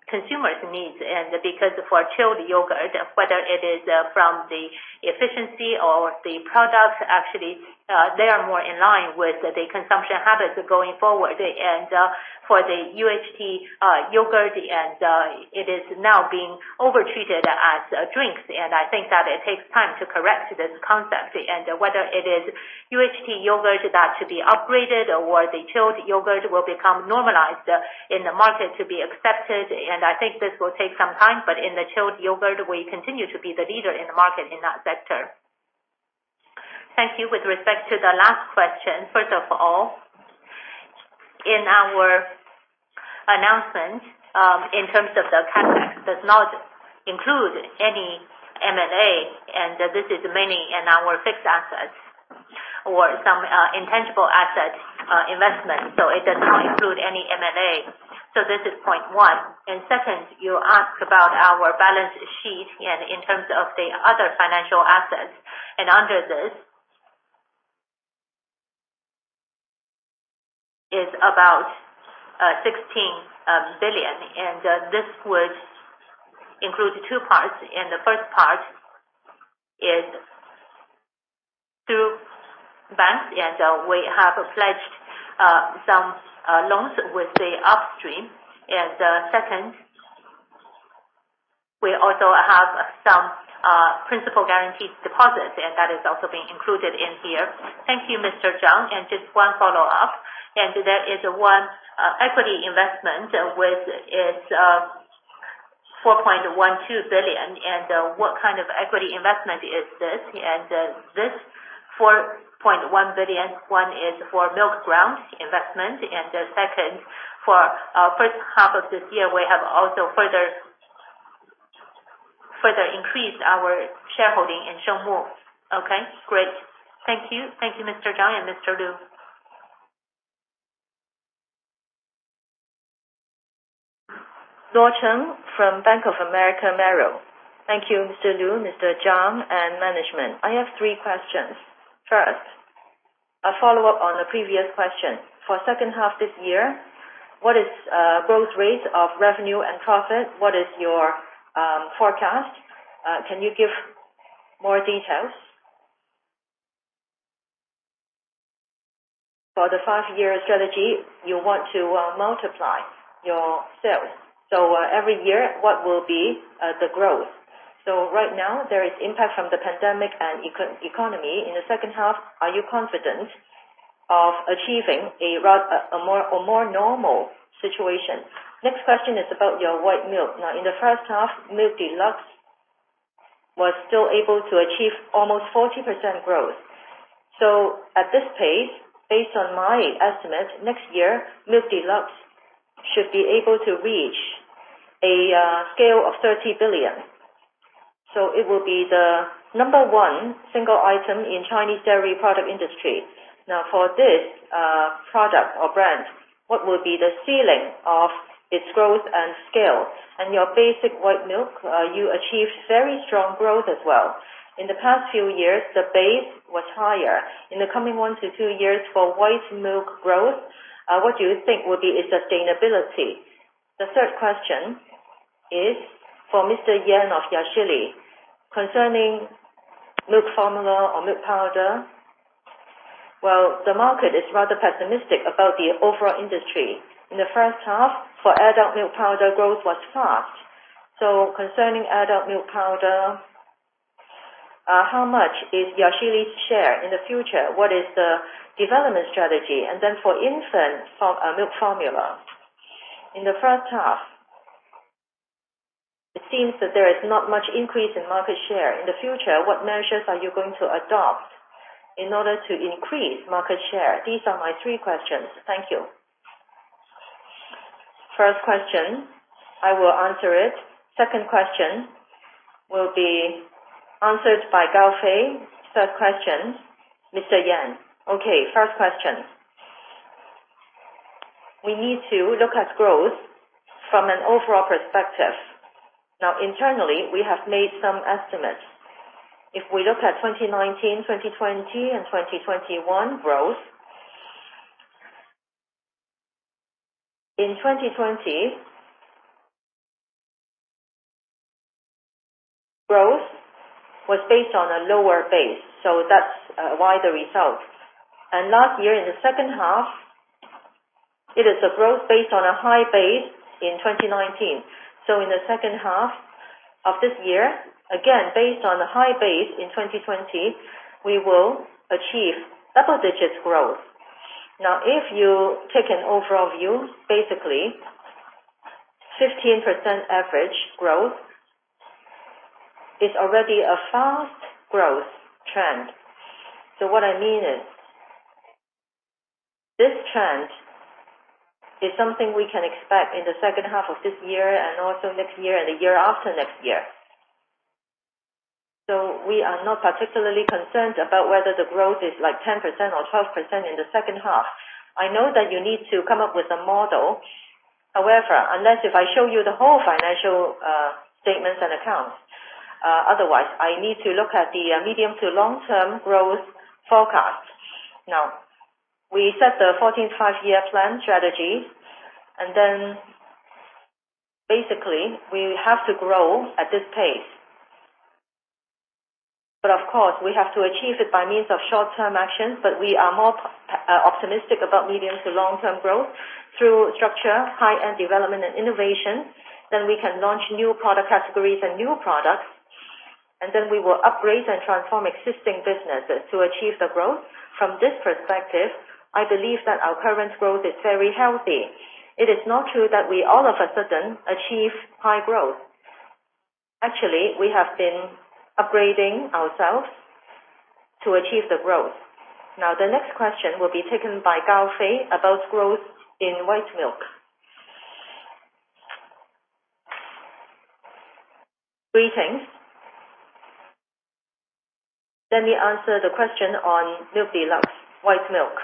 consumer's needs. Because for chilled yogurt, whether it is from the efficiency or the product, actually, they are more in line with the consumption habits going forward. For the UHT yogurt, and it is now being over-treated as drinks, and I think that it takes time to correct this concept. Whether it is UHT yogurt that should be upgraded or the chilled yogurt will become normalized in the market to be accepted. I think this will take some time, but in the chilled yogurt, we continue to be the leader in the market in that sector. Thank you. With respect to the last question, first of all, in our announcement, in terms of the CapEx, does not include any M&A. This is mainly in our fixed assets or some intangible asset investment. It does not include any M&A. This is point one. Second, you ask about our balance sheet and in terms of the other financial assets. Under this, is about 16 billion. This would include two parts. The first part is through banks, and we have pledged some loans with the upstream. Second, we also have some principal guaranteed deposits, and that is also being included in here. Thank you, Mr. Zhang. Just one follow-up, and that is one equity investment, which is 4.12 billion. What kind of equity investment is this? This 4.1 billion, one is for Milkground investment, and second, for first half of this year, we have also further increased our shareholding in Shengmu. Okay, great. Thank you. Thank you, Mr. Zhang and Mr. Lu. Zhou Chen from Bank of America Merrill Lynch. Thank you, Mr. Lu, Mr. Zhang, and management. I have three questions. First, a follow-up on a previous question. For second half this year, what is growth rate of revenue and profit? What is your forecast? Can you give more details? For the five-year strategy, you want to multiply your sales. Every year, what will be the growth? Right now, there is impact from the pandemic and economy. In the second half, are you confident of achieving a more normal situation? Next question is about your white milk. Now, in the first half, Milk Deluxe was still able to achieve almost 40% growth. At this pace, based on my estimate, next year, Milk Deluxe should be able to reach a scale of 30 billion. It will be the number one single item in Chinese dairy product industry. For this product or brand, what will be the ceiling of its growth and scale? Your basic white milk, you achieved very strong growth as well. In the past few years, the base was higher. In the coming one to two years for white milk growth, what do you think will be its sustainability? The third question is for Mr. Yan of Yashili. Concerning milk formula or milk powder, well, the market is rather pessimistic about the overall industry. In the first half, for adult milk powder, growth was fast. Concerning adult milk powder, how much is Yashili's share? In the future, what is the development strategy? For infant milk formula, in the first half, it seems that there is not much increase in market share. In the future, what measures are you going to adopt in order to increase market share? These are my three questions. Thank you. First question, I will answer it. Second question will be answered by Gao Fei. Third question, Mr. Yan. Okay, first question. We need to look at growth from an overall perspective. Internally, we have made some estimates. If we look at 2019, 2020, and 2021 growth, in 2020, growth was based on a lower base. That's why the result. Last year in the second half, it is a growth based on a high base in 2019. In the second half of this year, again, based on a high base in 2020, we will achieve double-digit growth. If you take an overall view, basically, 15% average growth is already a fast growth trend. What I mean is, this trend is something we can expect in the second half of this year and also next year and the year after next year. We are not particularly concerned about whether the growth is 10% or 12% in the second half. I know that you need to come up with a model. However, unless if I show you the whole financial statements and accounts, otherwise, I need to look at the medium-to-long-term growth forecast. Now, we set the 14th Five-Year Plan strategy, basically, we have to grow at this pace. Of course, we have to achieve it by means of short-term actions, but we are more optimistic about medium-to-long-term growth through structure, high-end development, and innovation. We can launch new product categories and new products, and then we will upgrade and transform existing businesses to achieve the growth. From this perspective, I believe that our current growth is very healthy. It is not true that we all of a sudden achieve high growth. Actually, we have been upgrading ourselves to achieve the growth. The next question will be taken by Gao Fei about growth in white milk. Greetings. Let me answer the question on Milk Deluxe white milk.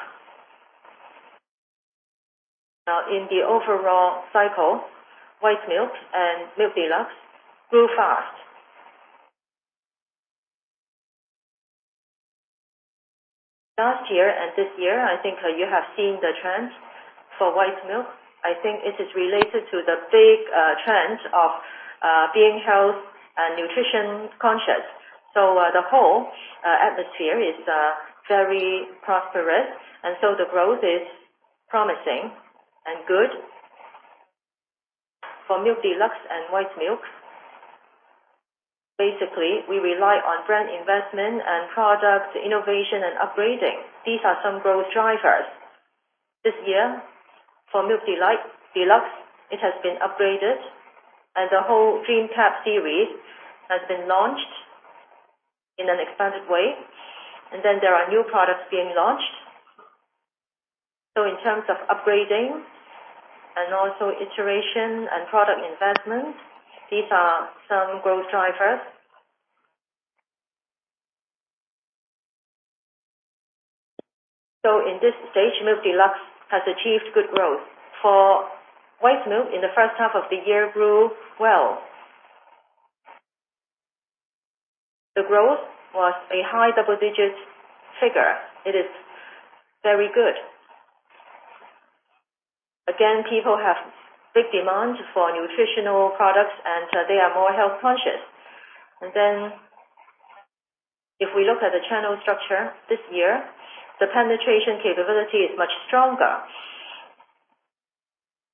In the overall cycle, white milk and Milk Deluxe grew fast. Last year and this year, I think you have seen the trend for white milk. I think it is related to the big trend of being health and nutrition conscious. The whole atmosphere is very prosperous, and so the growth is promising and good. For Milk Deluxe and white milk, basically, we rely on brand investment and product innovation and upgrading. These are some growth drivers. This year, for Milk Deluxe, it has been upgraded, and the whole Dream Cap series has been launched in an expanded way. There are new products being launched. In terms of upgrading and also iteration and product investment, these are some growth drivers. In this stage, Milk Deluxe has achieved good growth. For white milk, in the first half of the year grew well. The growth was a high double-digit figure. It is very good. Again, people have big demand for nutritional products, and they are more health conscious. If we look at the channel structure this year, the penetration capability is much stronger.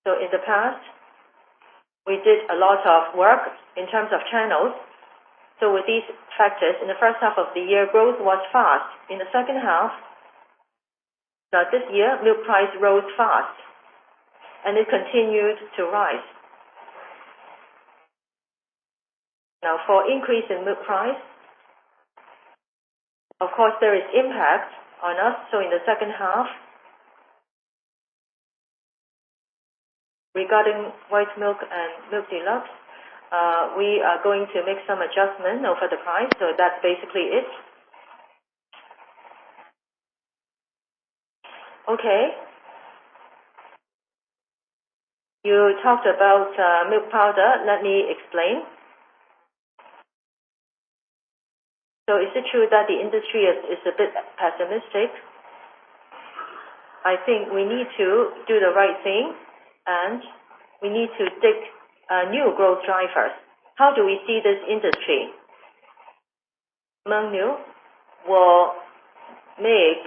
In the past, we did a lot of work in terms of channels. With these factors, in the first half of the year, growth was fast. In the second half this year, milk price rose fast, and it continued to rise. For increase in milk price, of course, there is impact on us. In the second half regarding white milk and Milk Deluxe, we are going to make some adjustment for the price. That's basically it. Okay. You talked about milk powder. Let me explain. Is it true that the industry is a bit pessimistic? I think we need to do the right thing, and we need to dig new growth drivers. How do we see this industry? Mengniu will make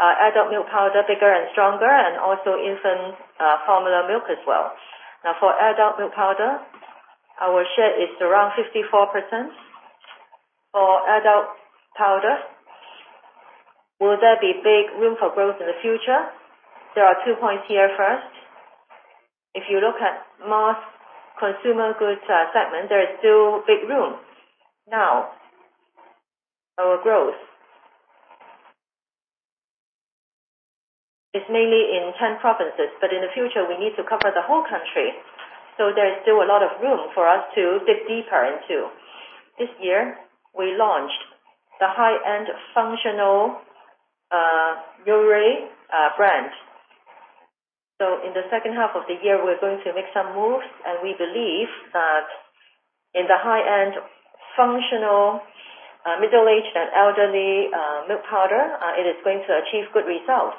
adult milk powder bigger and stronger and also infant formula milk as well. For adult milk powder, our share is around 54%. For adult powder, will there be big room for growth in the future? There are two points here. First, if you look at mass consumer goods segment, there is still big room. Now, our growth is mainly in 10 provinces, but in the future, we need to cover the whole country. There is still a lot of room for us to dig deeper into. This year, we launched the high-end functional, Yourui brand. In the second half of the year, we're going to make some moves, and we believe that in the high-end functional middle-aged and elderly milk powder, it is going to achieve good results.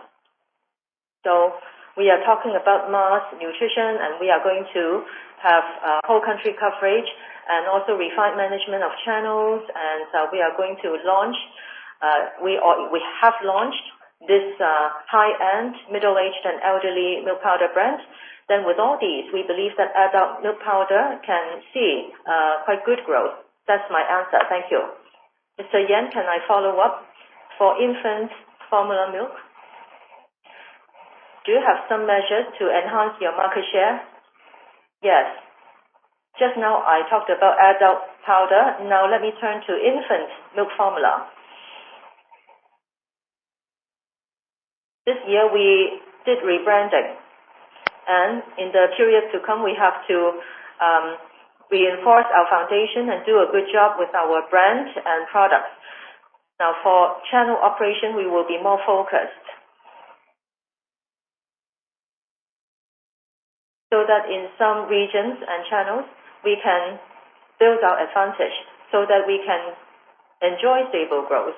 We are talking about mass nutrition, and we are going to have whole country coverage and also refined management of channels. We have launched this high-end, middle-aged, and elderly milk powder brand. With all these, we believe that adult milk powder can see quite good growth. That's my answer. Thank you. Mr. Yan, can I follow up? For infant formula milk, do you have some measures to enhance your market share? Yes. Just now I talked about adult powder. Let me turn to infant milk formula. This year we did rebranding. In the period to come, we have to reinforce our foundation and do a good job with our brands and products. For channel operation, we will be more focused. In some regions and channels, we can build our advantage so that we can enjoy stable growth.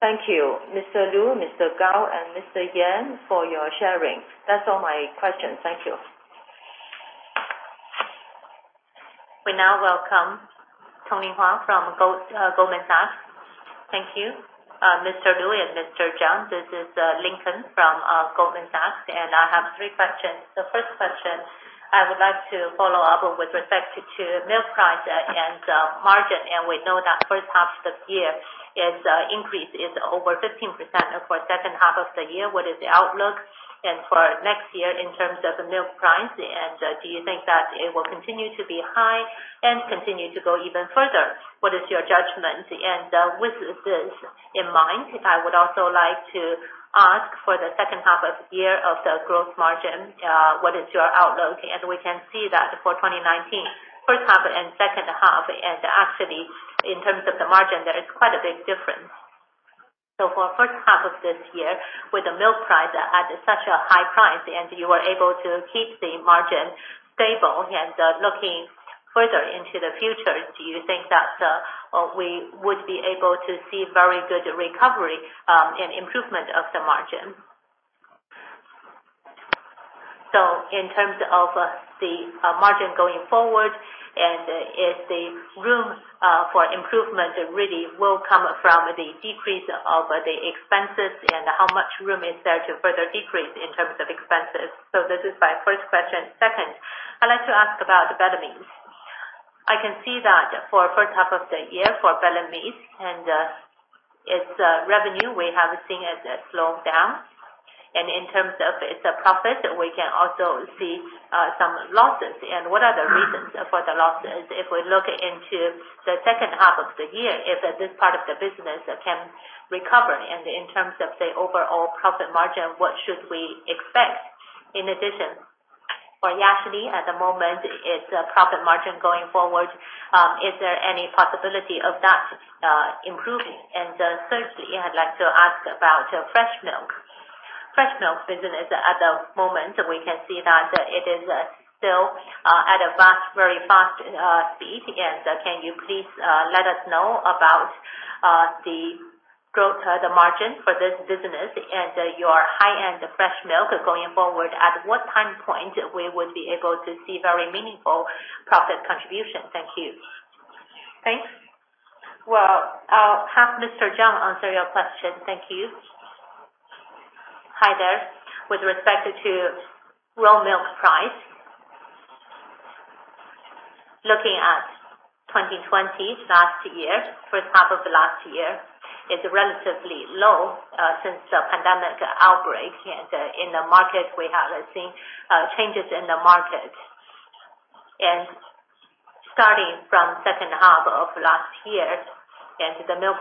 Thank you. Mr. Lu, Mr. Gao, and Mr. Yan for your sharing. That's all my questions. Thank you. We now welcome Tony Huang from Goldman Sachs. Thank you. Mr. Lu and Mr. Zhang, this is Lincoln from Goldman Sachs. I have three questions. The first question I would like to follow up with respect to milk price and margin. We know that first half this year, its increase is over 15%. For second half of the year, what is the outlook? For next year in terms of milk price, and do you think that it will continue to be high and continue to go even further? What is your judgment? With this in mind, I would also like to ask for the second half of the year of the growth margin, what is your outlook? As we can see that for 2019, first half and second half, and actually, in terms of the margin, there is quite a big difference. For first half of this year, with the milk price at such a high price, you were able to keep the margin stable. Looking further into the future, do you think that we would be able to see very good recovery and improvement of the margin? In terms of the margin going forward, if the room for improvement really will come from the decrease of the expenses, how much room is there to further decrease in terms of expenses? This is my first question. Second, I'd like to ask about the Bellamy's. I can see that for first half of the year for Bellamy's, its revenue, we have seen it slow down. In terms of its profit, we can also see some losses. What are the reasons for the losses? If we look into the second half of the year, if this part of the business can recover. In terms of the overall profit margin, what should we expect? In addition, for Yashili at the moment, its profit margin going forward, is there any possibility of that improving? Thirdly, I'd like to ask about fresh milk. Fresh milk business at the moment, we can see that it is still at a very fast speed. Can you please let us know about the margin for this business and your high-end fresh milk going forward? At what time point we would be able to see very meaningful profit contribution? Thank you. Thanks. Well, I'll have Mr. Zhang answer your question. Thank you. Hi there. With respect to raw milk price, looking at 2020, first half of last year, it's relatively low since the pandemic outbreak. In the market, we have seen changes in the market. Starting from second half of last year, the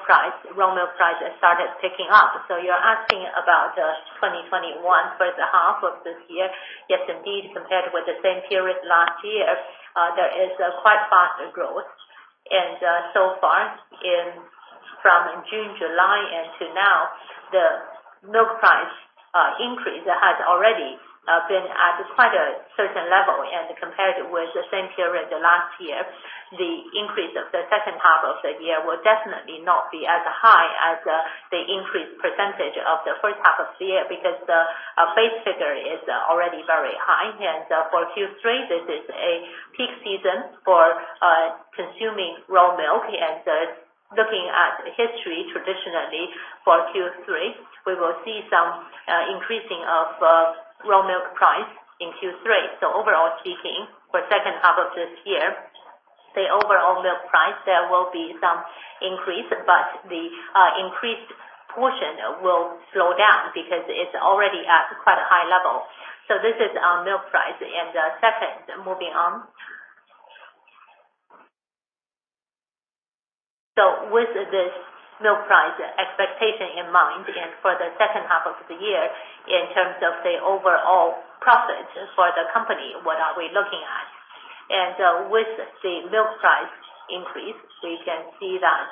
raw milk prices started ticking up. You're asking about 2021, first half of this year. Yes, indeed, compared with the same period last year, there is a quite faster growth. So far, from June, July until now, the milk price increase has already been at quite a certain level. Compared with the same period last year, the increase of the second half of the year will definitely not be as high as the increase percentage of the first half of the year because the base figure is already very high. For Q3, this is a peak season for consuming raw milk. Looking at history, traditionally for Q3, we will see some increasing of raw milk price in Q3. Overall speaking, for second half of this year, the overall milk price, there will be some increase. The increased portion will slow down because it's already at quite a high level. This is our milk price. Second, moving on. With this milk price expectation in mind and for the second half of the year, in terms of the overall profit for the company, what are we looking at? With the milk price increase, we can see that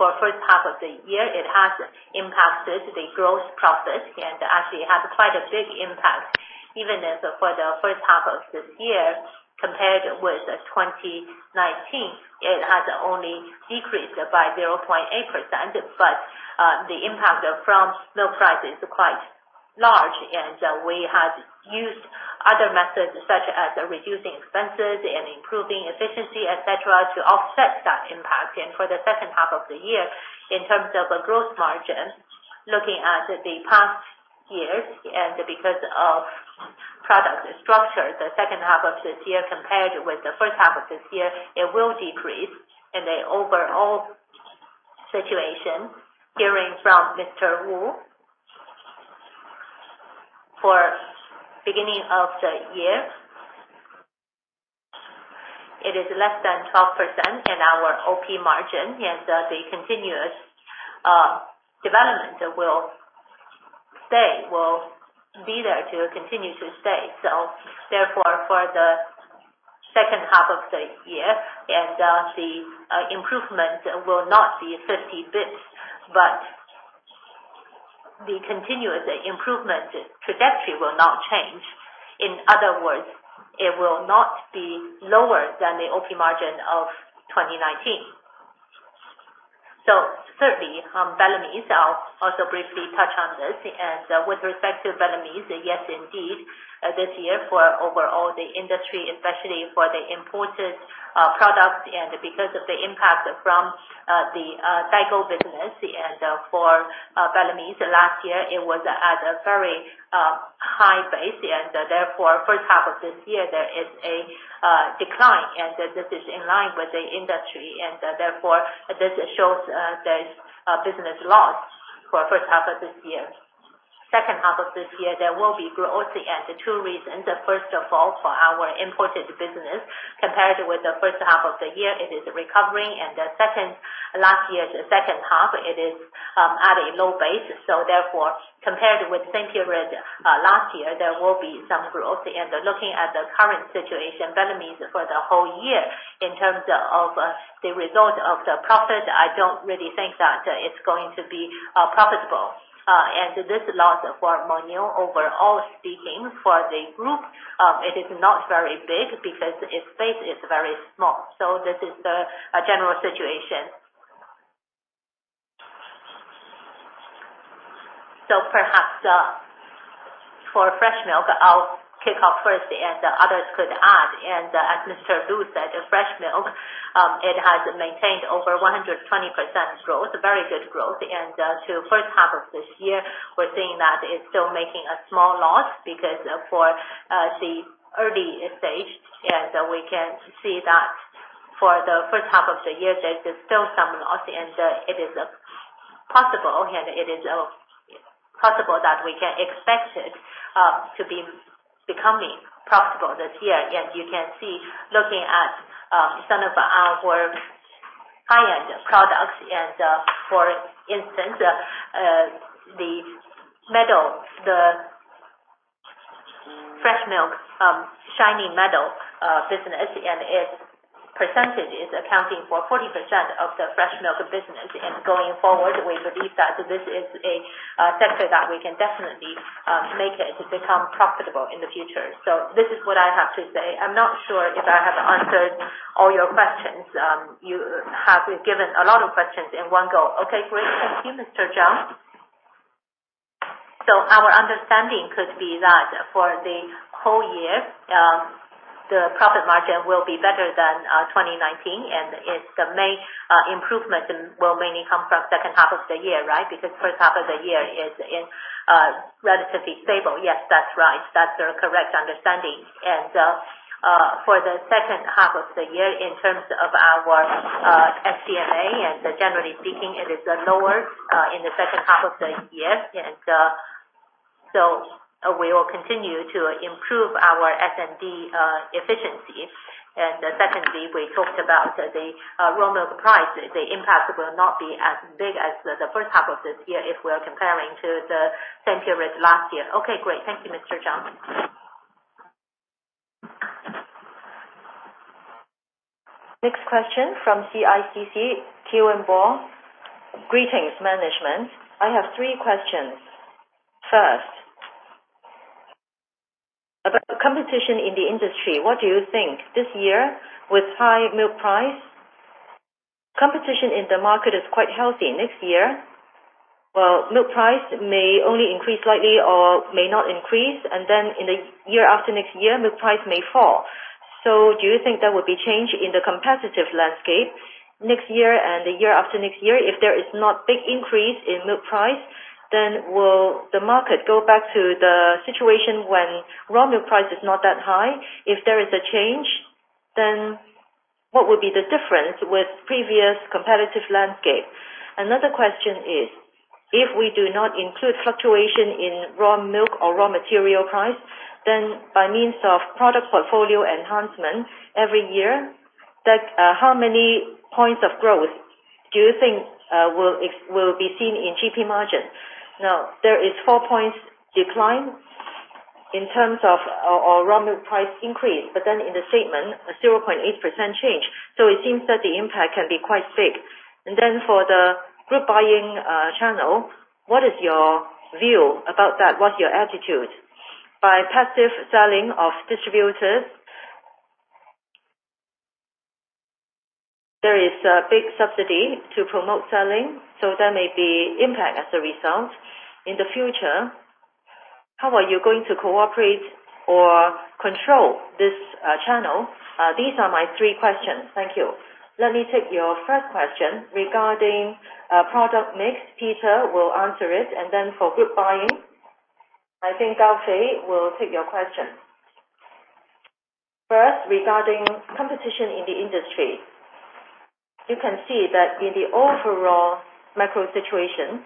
for first half of the year, it has impacted the gross profit and actually has quite a big impact. Even as for the first half of this year, compared with 2019, it has only decreased by 0.8%, the impact from milk price is quite large. We had used other methods such as reducing expenses and improving efficiency, et cetera, to offset that impact. For the second half of the year, in terms of a gross margin, looking at the past years and because of product structure, the second half of this year compared with the first half of this year, it will decrease. The overall situation, hearing from Mr. Wu, for beginning of the year, it is less than 12% in our OP margin, and the continuous development will be there to continue to stay. Therefore, for the second half of the year and the improvement will not be 50 basis points, but the continuous improvement trajectory will not change. In other words, it will not be lower than the OP margin of 2019. Thirdly, Bellamy's, I'll also briefly touch on this. With respect to Bellamy's, yes, indeed, this year for overall the industry, especially for the imported products because of the impact from the Daigou business, for Bellamy's last year, it was at a very high base. Therefore, first half of this year, there is a decline, this is in line with the industry. Therefore, this shows there's business loss for first half of this year. Second half of this year, there will be growth. The two reasons, first of all, for our imported business, compared with the first half of the year, it is recovering. Last year's second half, it is at a low base. Therefore, compared with same period last year, there will be some growth. Looking at the current situation, Bellamy's for the whole year, in terms of the result of the profit, I don't really think that it's going to be profitable. This loss for Mengniu, overall speaking, for the group, it is not very big because its base is very small. This is the general situation. Perhaps for fresh milk, I'll kick off first, and others could add. As Lu Minfang said, fresh milk, it has maintained over 120% growth, very good growth. To first half of this year, we're seeing that it's still making a small loss because for the early stage, and we can see that for the first half of the year, there's still some loss, and it is possible that we can expect it to be becoming profitable this year. You can see looking at some of our high-end products, for instance, the fresh milk Shiny Meadow business and its percentage is accounting for 40% of the fresh milk business. Going forward, we believe that this is a sector that we can definitely make it to become profitable in the future. This is what I have to say. I'm not sure if I have answered all your questions. You have given a lot of questions in one go. Okay, great. Thank you, Mr. Zhang. Our understanding could be that for the whole year, the profit margin will be better than 2019, and its main improvement will mainly come from second half of the year, right? Because first half of the year is relatively stable. Yes, that's right. That's the correct understanding. For the second half of the year, in terms of our SG&A, and generally speaking, it is lower in the second half of the year. We will continue to improve our S&D efficiency. Secondly, we talked about the raw milk price. The impact will not be as big as the first half of this year if we're comparing to the same period last year. Okay, great. Thank you, Mr. Zhang. Next question from CICC, Chen Wenbo. Greetings, Management. I have three questions. First, about competition in the industry, what do you think? This year, with high milk price, competition in the market is quite healthy. Next year, milk price may only increase slightly or may not increase, and then in the year after next year, milk price may fall. Do you think there will be change in the competitive landscape next year and the year after next year? If there is not big increase in milk price, then will the market go back to the situation when raw milk price is not that high? If there is a change, then what would be the difference with previous competitive landscape? Another question is, if we do not include fluctuation in raw or raw material price, then by means of product portfolio enhancement every year, how many points of growth do you think will be seen in GP margin? Now, there is four points decline in terms of raw milk price increase, but then in the statement, a 0.8% change. It seems that the impact can be quite big. For the group buying channel, what is your view about that? What's your attitude? By passive selling of distributors, there is a big subsidy to promote selling, so there may be impact as a result. In the future, how are you going to cooperate or control this channel? These are my three questions. Thank you. Let me take your first question regarding product mix. Peter will answer it. For group buying, I think Gao Fei will take your question. First, regarding competition in the industry. You can see that in the overall macro situation,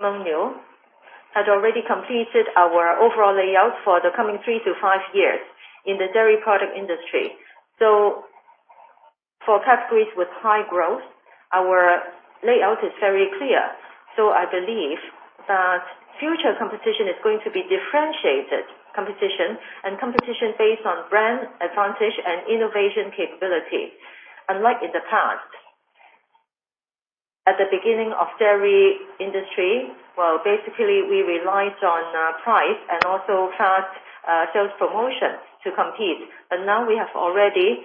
Mengniu had already completed our overall layout for the coming three to five years in the dairy product industry. For categories with high growth, our layout is very clear. I believe that future competition is going to be differentiated competition, and competition based on brand advantage and innovation capability, unlike in the past. At the beginning of dairy industry, basically, we relied on price and also fast sales promotions to compete. Now we have already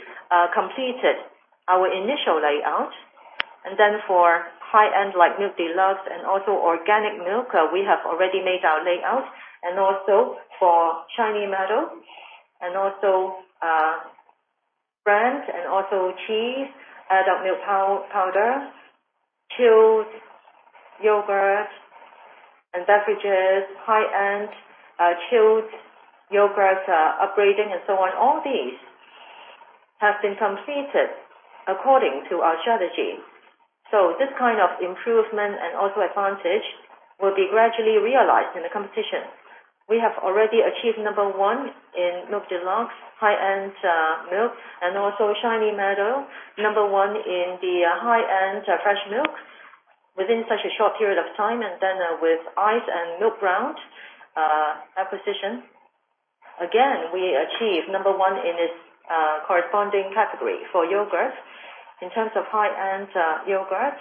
completed our initial layout. For high-end, like Milk Deluxe and also organic milk, we have already made our layout. For Shiny Meadow, and also brands, and also cheese, adult milk powder, chilled yogurt and beverages, high-end chilled yogurt, upgrading and so on. All these have been completed according to our strategy. This kind of improvement and also advantage will be gradually realized in the competition. We have already achieved number one in Milk Deluxe high-end milk and also Shiny Meadow, number one in the high-end fresh milk within such a short period of time. With Aice and Milkground acquisition, again, we achieve number one in its corresponding category. For yogurt, in terms of high-end yogurt,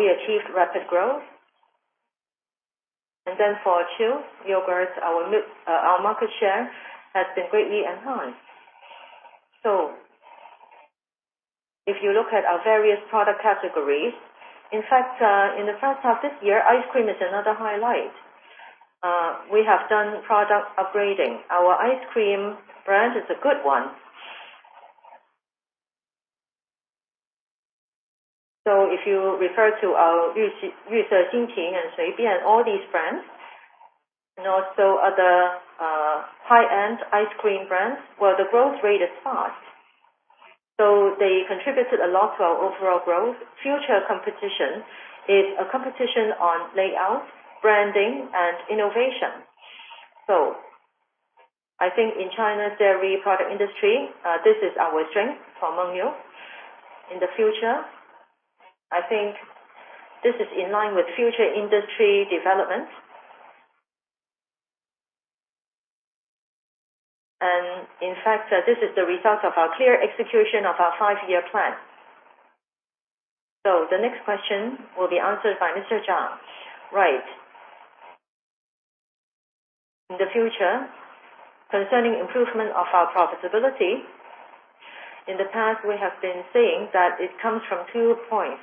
we achieved rapid growth. For chilled yogurt, our market share has been greatly enhanced. If you look at our various product categories, in fact, in the first half this year, ice cream is another highlight. We have done product upgrading. Our ice cream brand is a good one. If you refer to our and all these brands, and also other high-end ice cream brands, the growth rate is fast. They contributed a lot to our overall growth. Future competition is a competition on layout, branding, and innovation. I think in China's dairy product industry, this is our strength for Mengniu. In the future, I think this is in line with future industry development. In fact, this is the result of our clear execution of our five-year plan. The next question will be answered by Mr. Zhang. Right. In the future, concerning improvement of our profitability, in the past, we have been saying that it comes from two points.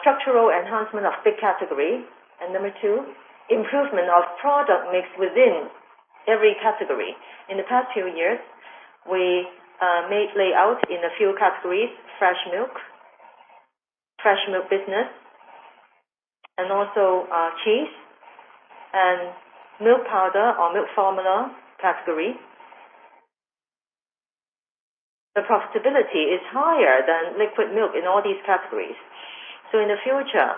Structural enhancement of big category. Number two, improvement of product mix within every category. In the past few years, we made layout in a few categories, fresh milk, fresh milk business, and also cheese and milk powder or milk formula category. The profitability is higher than liquid milk in all these categories. In the future,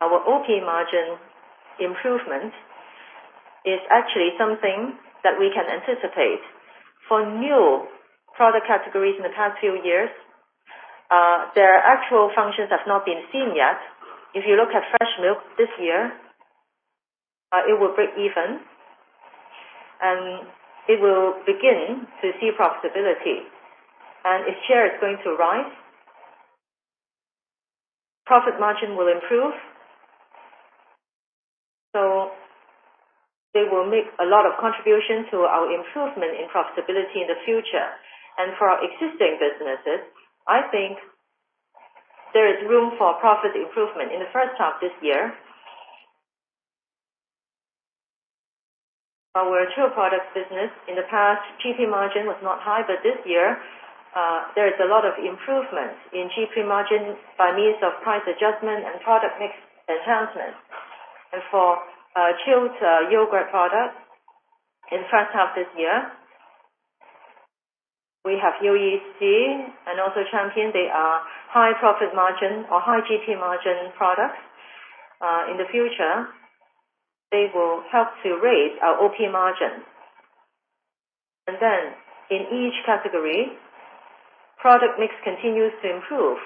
our OP margin improvement is actually something that we can anticipate. For new product categories in the past few years, their actual functions have not been seen yet. If you look at fresh milk this year, it will break even, and it will begin to see profitability. Its share is going to rise. Profit margin will improve. They will make a lot of contribution to our improvement in profitability in the future. For our existing businesses, I think there is room for profit improvement. In the first half this year, our chilled products business, in the past, GP margin was not high. This year, there is a lot of improvements in GP margin by means of price adjustment and product mix enhancement. For chilled yogurt products, in first half this year, we have Yoyi C and also Champion. They are high profit margin or high GP margin products. In the future, they will help to raise our OP margin. In each category, product mix continues to improve.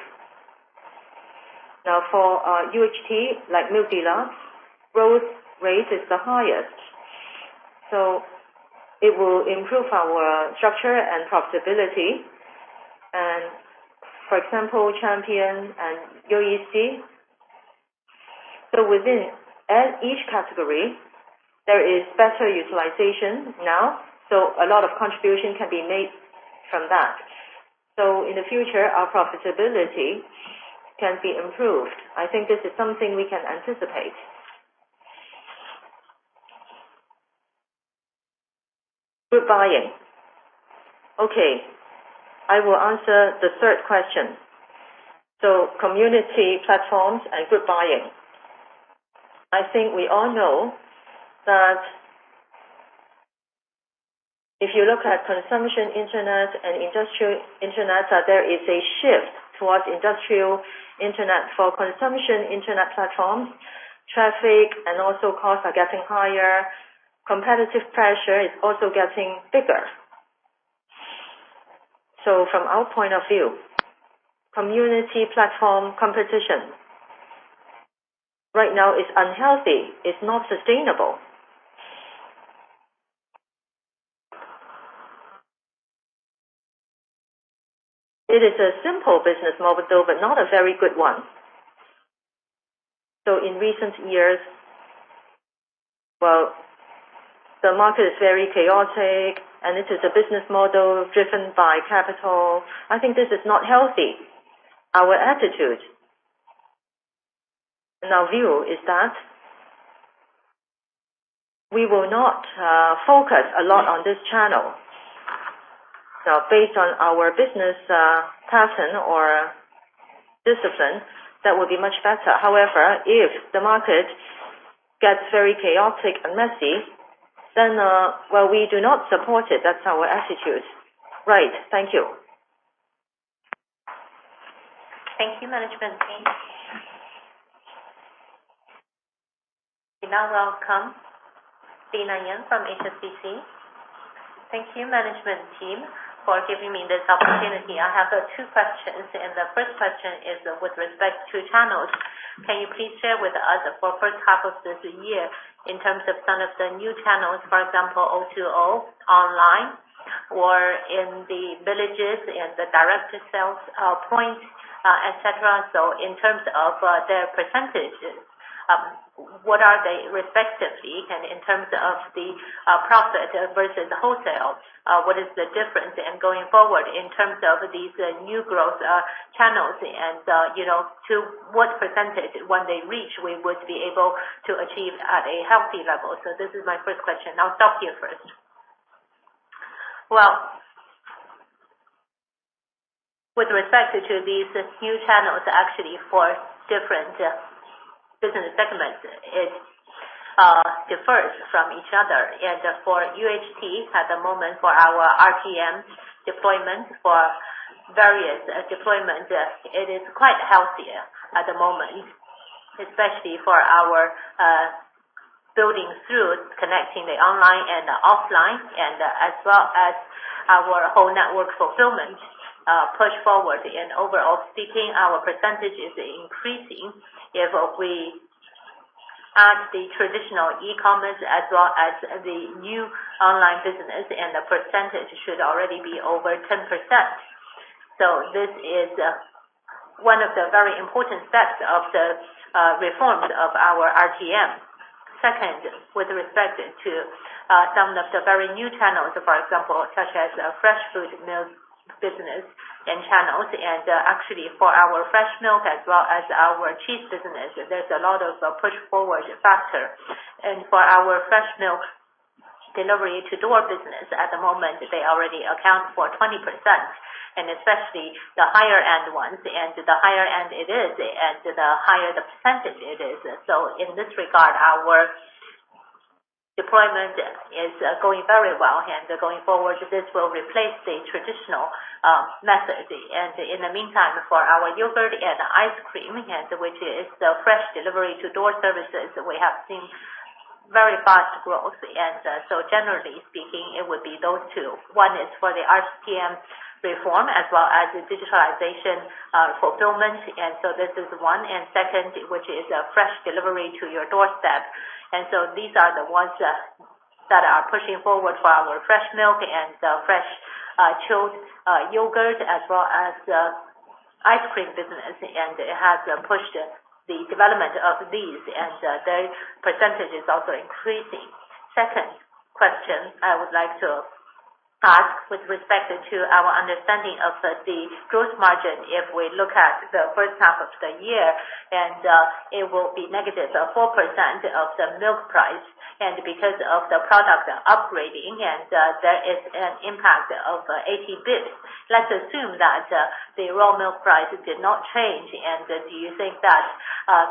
Now for UHT, like Milk Deluxe, growth rate is the highest. It will improve our structure and profitability. For example, Champion and Yoyi C. Within each category, there is better utilization now. A lot of contribution can be made from that. In the future, our profitability can be improved. I think this is something we can anticipate. Group buying. I will answer the third question. Community platforms and group buying. I think we all know that if you look at consumption Internet and industrial Internet, that there is a shift towards industrial Internet for consumption Internet platforms. Traffic and also costs are getting higher. Competitive pressure is also getting bigger. From our point of view, community platform competition right now is unhealthy. It's not sustainable. It is a simple business model, but not a very good one. In recent years, well, the market is very chaotic, and it is a business model driven by capital. I think this is not healthy. Our attitude and our view is that we will not focus a lot on this channel. Based on our business pattern or discipline, that would be much better. However, if the market gets very chaotic and messy, then, well, we do not support it. That's our attitude. Right. Thank you. Thank you, management team. We now welcome Lina Yan from HSBC. Thank you, management team, for giving me this opportunity. I have two questions. The first question is with respect to channels. Can you please share with us for first half of this year in terms of some of the new channels, for example, O2O online or in the villages, in the direct sales points, et cetera. In terms of their percentage, what are they respectively? In terms of the profit versus the wholesale, what is the difference? Going forward, in terms of these new growth channels and to what percentage when they reach, we would be able to achieve at a healthy level? This is my first question. I'll stop here first. Well, with respect to these new channels, actually, for different business segments, it differs from each other. For UHT at the moment, for our RTM deployment, for various deployment, it is quite healthy at the moment, especially for our building through connecting the online and the offline and as well as our whole network fulfillment push forward. Overall speaking, our percentage is increasing. If we add the traditional e-commerce as well as the new online business, and the percentage should already be over 10%. This is one of the very important steps of the reforms of our RTM. Second, with respect to some of the very new channels, for example, such as fresh food milk business and channels, and actually for our fresh milk as well as our cheese business, there's a lot of push forward faster. For our fresh milk delivery to door business at the moment, they already account for 20%, and especially the higher-end ones. The higher-end it is, and the higher the percentage it is. In this regard, our Deployment is going very well, and going forward, this will replace the traditional method. In the meantime, for our yogurt and ice cream, which is the fresh delivery to door services, we have seen very fast growth. Generally speaking, it would be those two. One is for the RTM reform as well as the digitalization fulfillment, and so this is one. Second, which is fresh delivery to your doorstep. These are the ones that are pushing forward for our fresh milk and fresh chilled yogurt, as well as ice cream business. It has pushed the development of these, and their % is also increasing. Second question I would like to ask with respect to our understanding of the gross margin. If we look at the first half of the year, it will be -4% of the milk price, because of the product upgrading, there is an impact of 80 basis points. Let's assume that the raw milk price did not change, do you think that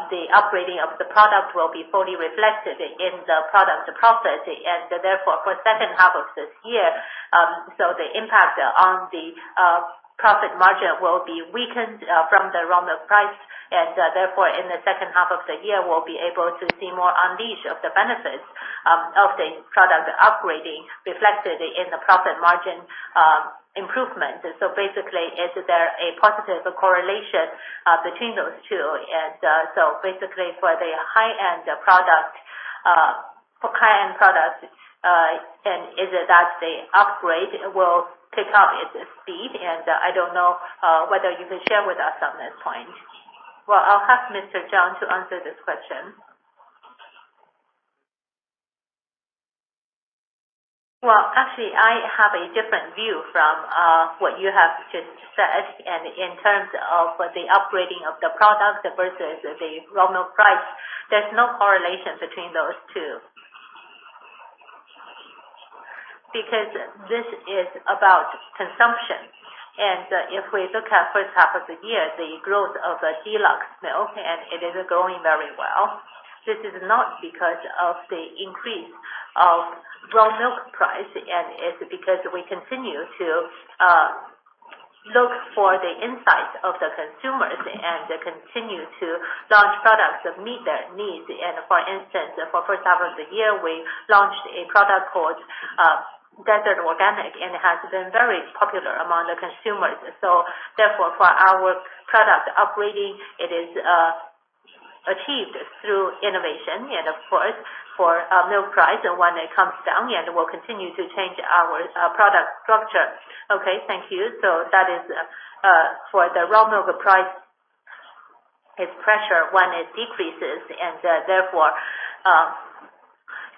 the upgrading of the product will be fully reflected in the product's profit, and therefore for second half of this year, the impact on the profit margin will be weakened from the raw milk price, and therefore, in the second half of the year, we'll be able to see more unleash of the benefits of the product upgrading reflected in the profit margin improvement? Is there a positive correlation between those two? Basically, for the high-end product, is it that the upgrade will pick up its speed? I don't know whether you can share with us on this point. Well, I'll ask Mr. Zhang to answer this question. Well, actually, I have a different view from what you have just said. In terms of the upgrading of the product versus the raw milk price, there's no correlation between those two. This is about consumption, if we look at first half of the year, the growth of Milk Deluxe, it is going very well, this is not because of the increase of raw milk price, it's because we continue to look for the insights of the consumers and continue to launch products that meet their needs. For instance, for first half of the year, we launched a product called Desert Organic, it has been very popular among the consumers. Therefore, for our product upgrading, it is achieved through innovation. Of course, for milk price, when it comes down, we'll continue to change our product structure. Okay, thank you. That is for the raw milk price, its pressure when it decreases, and therefore,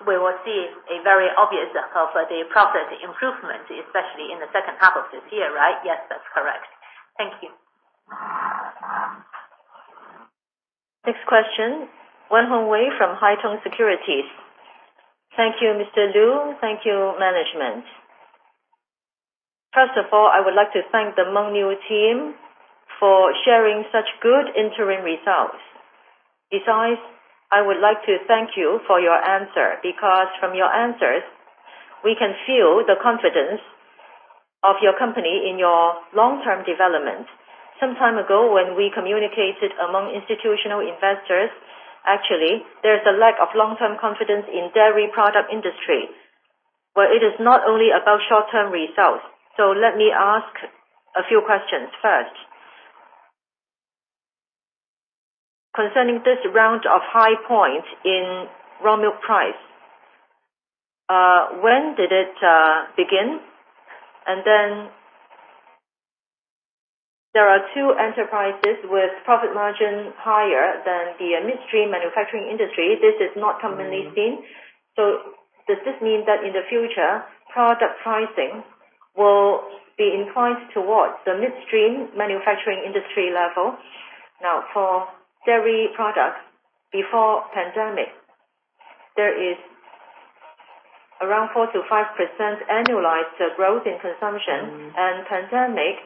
we will see a very obvious of the profit improvement, especially in the second half of this year, right? Yes, that's correct. Thank you. Next question, Wu Hongwei from Haitong Securities. Thank you, Mr. Lu. Thank you, management. First of all, I would like to thank the Mengniu team for sharing such good interim results. I would like to thank you for your answer, because from your answers, we can feel the confidence of your company in your long-term development. Some time ago, when we communicated among institutional investors, actually, there's a lack of long-term confidence in dairy product industry, where it is not only about short-term results. Let me ask a few questions. Concerning this round of high point in raw milk price, when did it begin? There are two enterprises with profit margin higher than the midstream manufacturing industry. This is not commonly seen. Does this mean that in the future, product pricing will be inclined towards the midstream manufacturing industry level? For dairy products before pandemic, there is around 4%-5% annualized growth in consumption. Pandemic,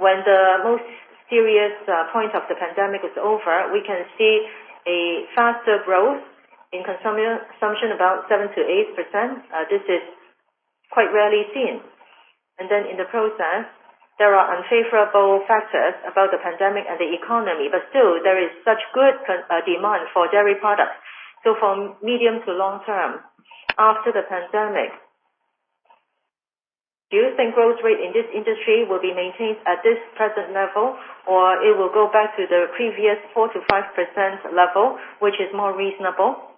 when the most serious point of the pandemic is over, we can see a faster growth in consumption, about 7%-8%. This is quite rarely seen. In the process, there are unfavorable factors about the pandemic and the economy, still, there is such good demand for dairy products. From medium to long term after the pandemic, do you think growth rate in this industry will be maintained at this present level or it will go back to the previous 4%-5% level? Which is more reasonable?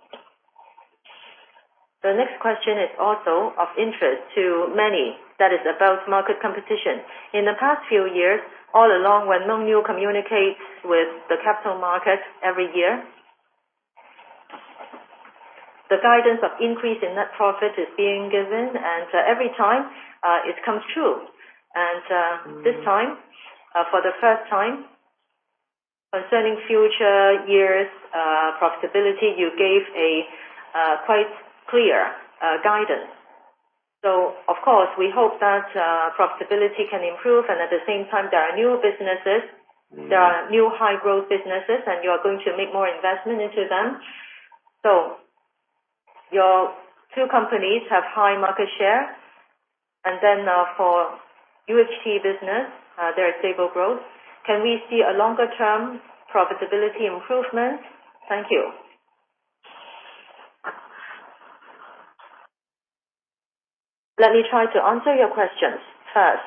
The next question is also of interest to many, that is about market competition. In the past few years, all along when Mengniu communicates with the capital market every year, the guidance of increase in net profit is being given, and every time, it comes true. This time, for the first time, concerning future years' profitability, you gave a quite clear guidance. Of course, we hope that profitability can improve and at the same time there are new businesses, there are new high growth businesses and you are going to make more investment into them. Your two companies have high market share and then for UHT business, there are stable growth. Can we see a longer-term profitability improvement? Thank you. Let me try to answer your questions. First,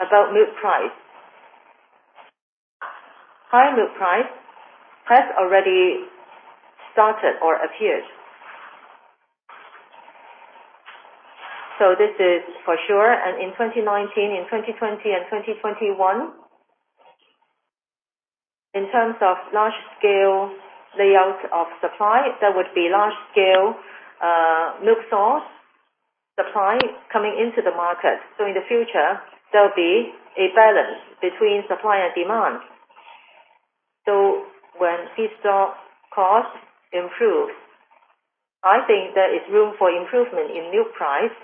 about milk price. High milk price has already started or appeared. This is for sure, in 2019, in 2020 and 2021, in terms of large-scale layout of supply, there would be large-scale milk source supply coming into the market. In the future, there will be a balance between supply and demand. When feedstock cost improves, I think there is room for improvement in milk price.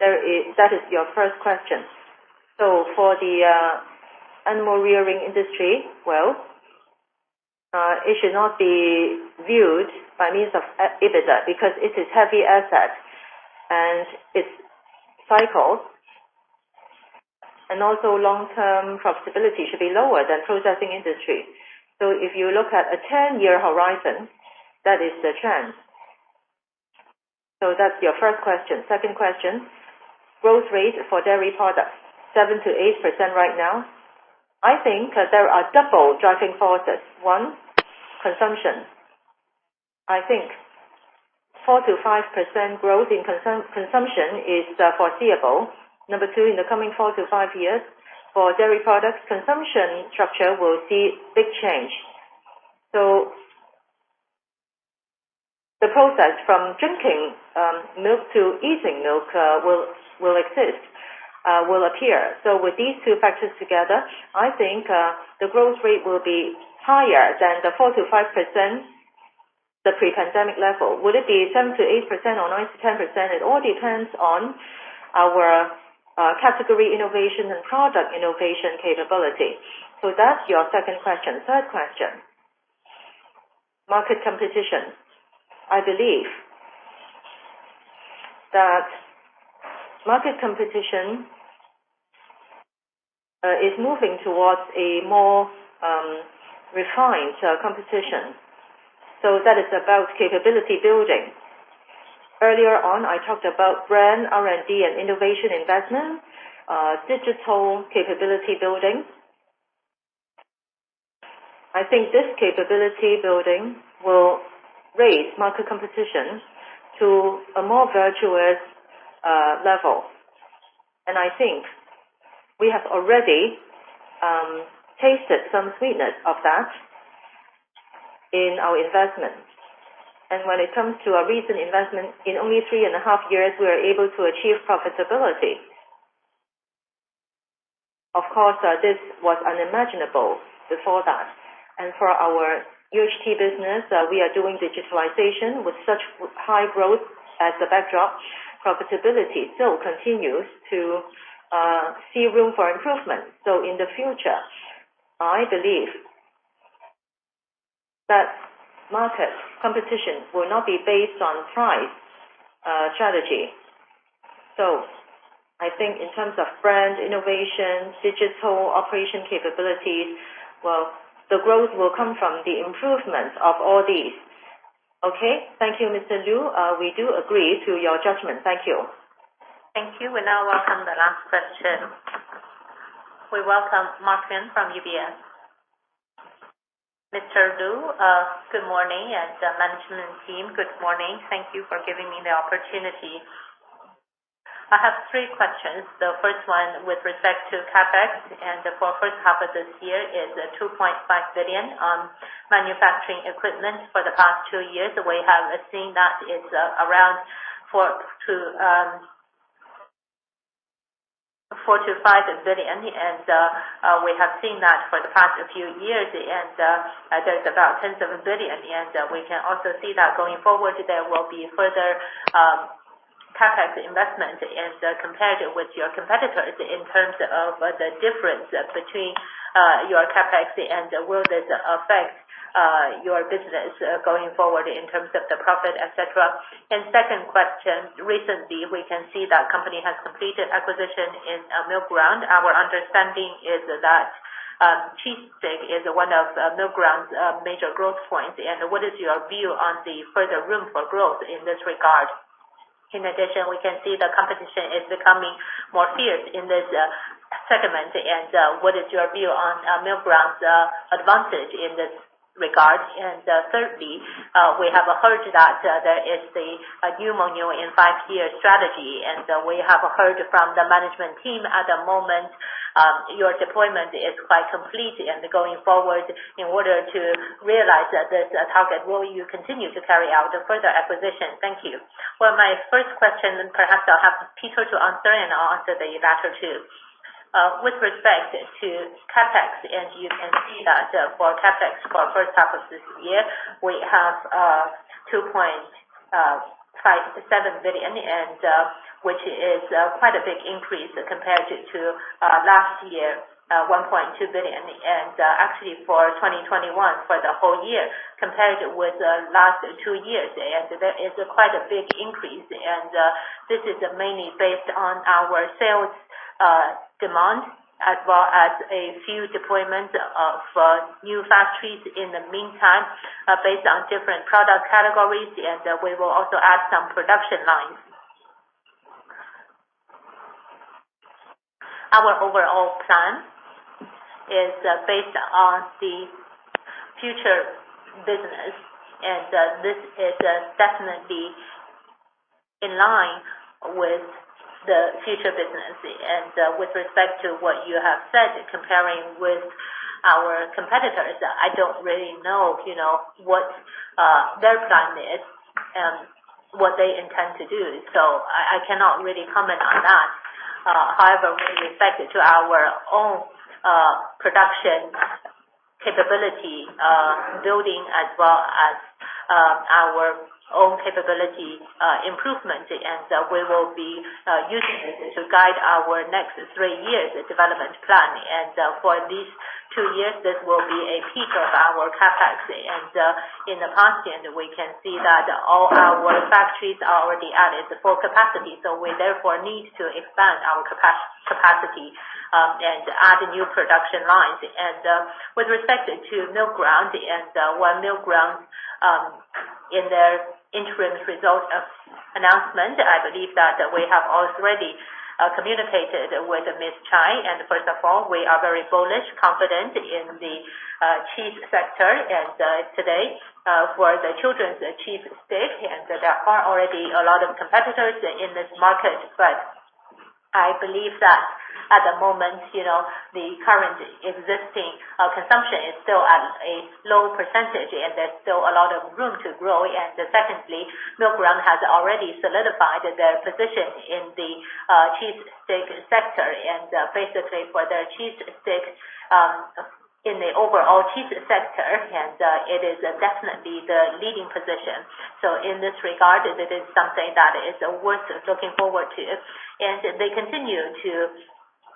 That is your first question. For the animal rearing industry, well, it should not be viewed by means of EBITDA because it is heavy-asset and its cycles, and also long-term profitability should be lower than processing industry. If you look at a 10-year horizon, that is the trend. That is your first question. Second question. Growth rate for dairy products, 7%-8% right now. I think there are double driving forces. One. Consumption. I think 4%-5% growth in consumption is foreseeable. Number two, in the coming four to five years for dairy products, consumption structure will see big change. The process from drinking milk to eating milk will exist, will appear. With these two factors together, I think, the growth rate will be higher than the 4%-5%, the pre-pandemic level. Would it be 7%-8% or 9%-10%? It all depends on our category innovation and product innovation capability. That's your second question. Third question, market competition. I believe that market competition is moving towards a more refined competition. That is about capability building. Earlier on, I talked about brand R&D and innovation investment, digital capability building. I think this capability building will raise market competition to a more virtuous level. I think we have already tasted some sweetness of that in our investments. When it comes to our recent investment, in only three and a half years, we were able to achieve profitability. Of course, this was unimaginable before that. For our UHT business, we are doing digitalization with such high growth as the backdrop. Profitability still continues to see room for improvement. In the future, I believe that market competition will not be based on price strategy. I think in terms of brand innovation, digital operation capabilities, well, the growth will come from the improvements of all these. Okay? Thank you, Mr. Lu. We do agree to your judgment. Thank you. Thank you. We now welcome the last question. We welcome Mark Yan from UBS. Mr. Lu, good morning, and management team, good morning. Thank you for giving me the opportunity. I have three questions. The first one with respect to CapEx for first half of this year is 2.5 billion on manufacturing equipment. For the past two years, we have seen that it is around 4 billion-5 billion, and we have seen that for the past few years, and that is about tens of billion. We can also see that going forward, there will be further CapEx investment. Compared with your competitors in terms of the difference between your CapEx, will this affect your business going forward in terms of the profit, et cetera? Second question, recently, we can see that company has completed acquisition in Milkground. Our understanding is that cheese stick is one of Milkground's major growth points. What is your view on the further room for growth in this regard? In addition, we can see the competition is becoming more fierce in this segment. What is your view on Milkground's advantage in this regard? Thirdly, we have heard that there is a new Mengniu five-year strategy. We have heard from the management team at the moment, your deployment is quite complete. Going forward in order to realize this target, will you continue to carry out further acquisition? Thank you. My first question, perhaps I'll have Peter to answer. I'll answer the latter two. With respect to CapEx, you can see that for CapEx for the 1st half of this year, we have 2.57 billion, which is quite a big increase compared to last year, 1.2 billion. Actually for 2021, for the whole year, compared with the last 2 years, it's quite a big increase. This is mainly based on our sales demand as well as a few deployments of new factories in the meantime, based on different product categories, and we will also add some production lines. Our overall plan is based on the future business, and this is definitely in line with the future business. With respect to what you have said, comparing with our competitors, I don't really know what their plan is and what they intend to do. I cannot really comment on that. However, with respect to our own production capability building as well as our own capability improvement, and we will be using it to guide our next 3 years' development plan. For these 2 years, this will be a peak of our CapEx. In the past year, we can see that all our factories are already at full capacity. We therefore need to expand our capacity, and add new production lines. With respect to Milkground and Milkground in their interim results announcement, I believe that we have already communicated with Ms. Chai. First of all, we are very bullish, confident in the cheese sector. Today, for the children's cheese stick, and there are already a lot of competitors in this market, but I believe that at the moment, the current existing consumption is still at a low percentage, and there's still a lot of room to grow. Secondly, Milkground has already solidified their position in the cheese stick sector, and basically for the cheese stick in the overall cheese sector, and it is definitely the leading position. In this regard, it is something that is worth looking forward to. They continue to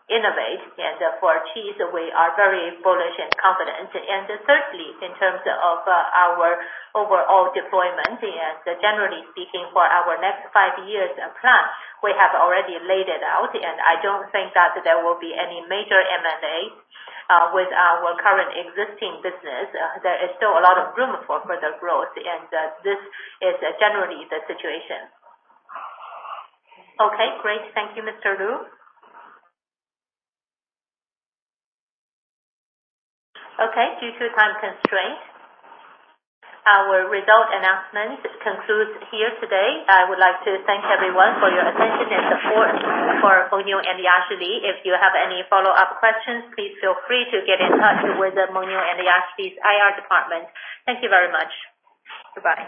innovate. For cheese, we are very bullish and confident. Thirdly, in terms of our overall deployment, and generally speaking, for our next five-Year Plan, we have already laid it out, and I don't think that there will be any major M&A with our current existing business. There is still a lot of room for further growth, and this is generally the situation. Okay, great. Thank you, Mr. Lu. Okay, due to time constraint, our result announcement concludes here today. I would like to thank everyone for your attention and support for Mengniu and Yashili. If you have any follow-up questions, please feel free to get in touch with Mengniu and Yashili's IR department. Thank you very much. Goodbye.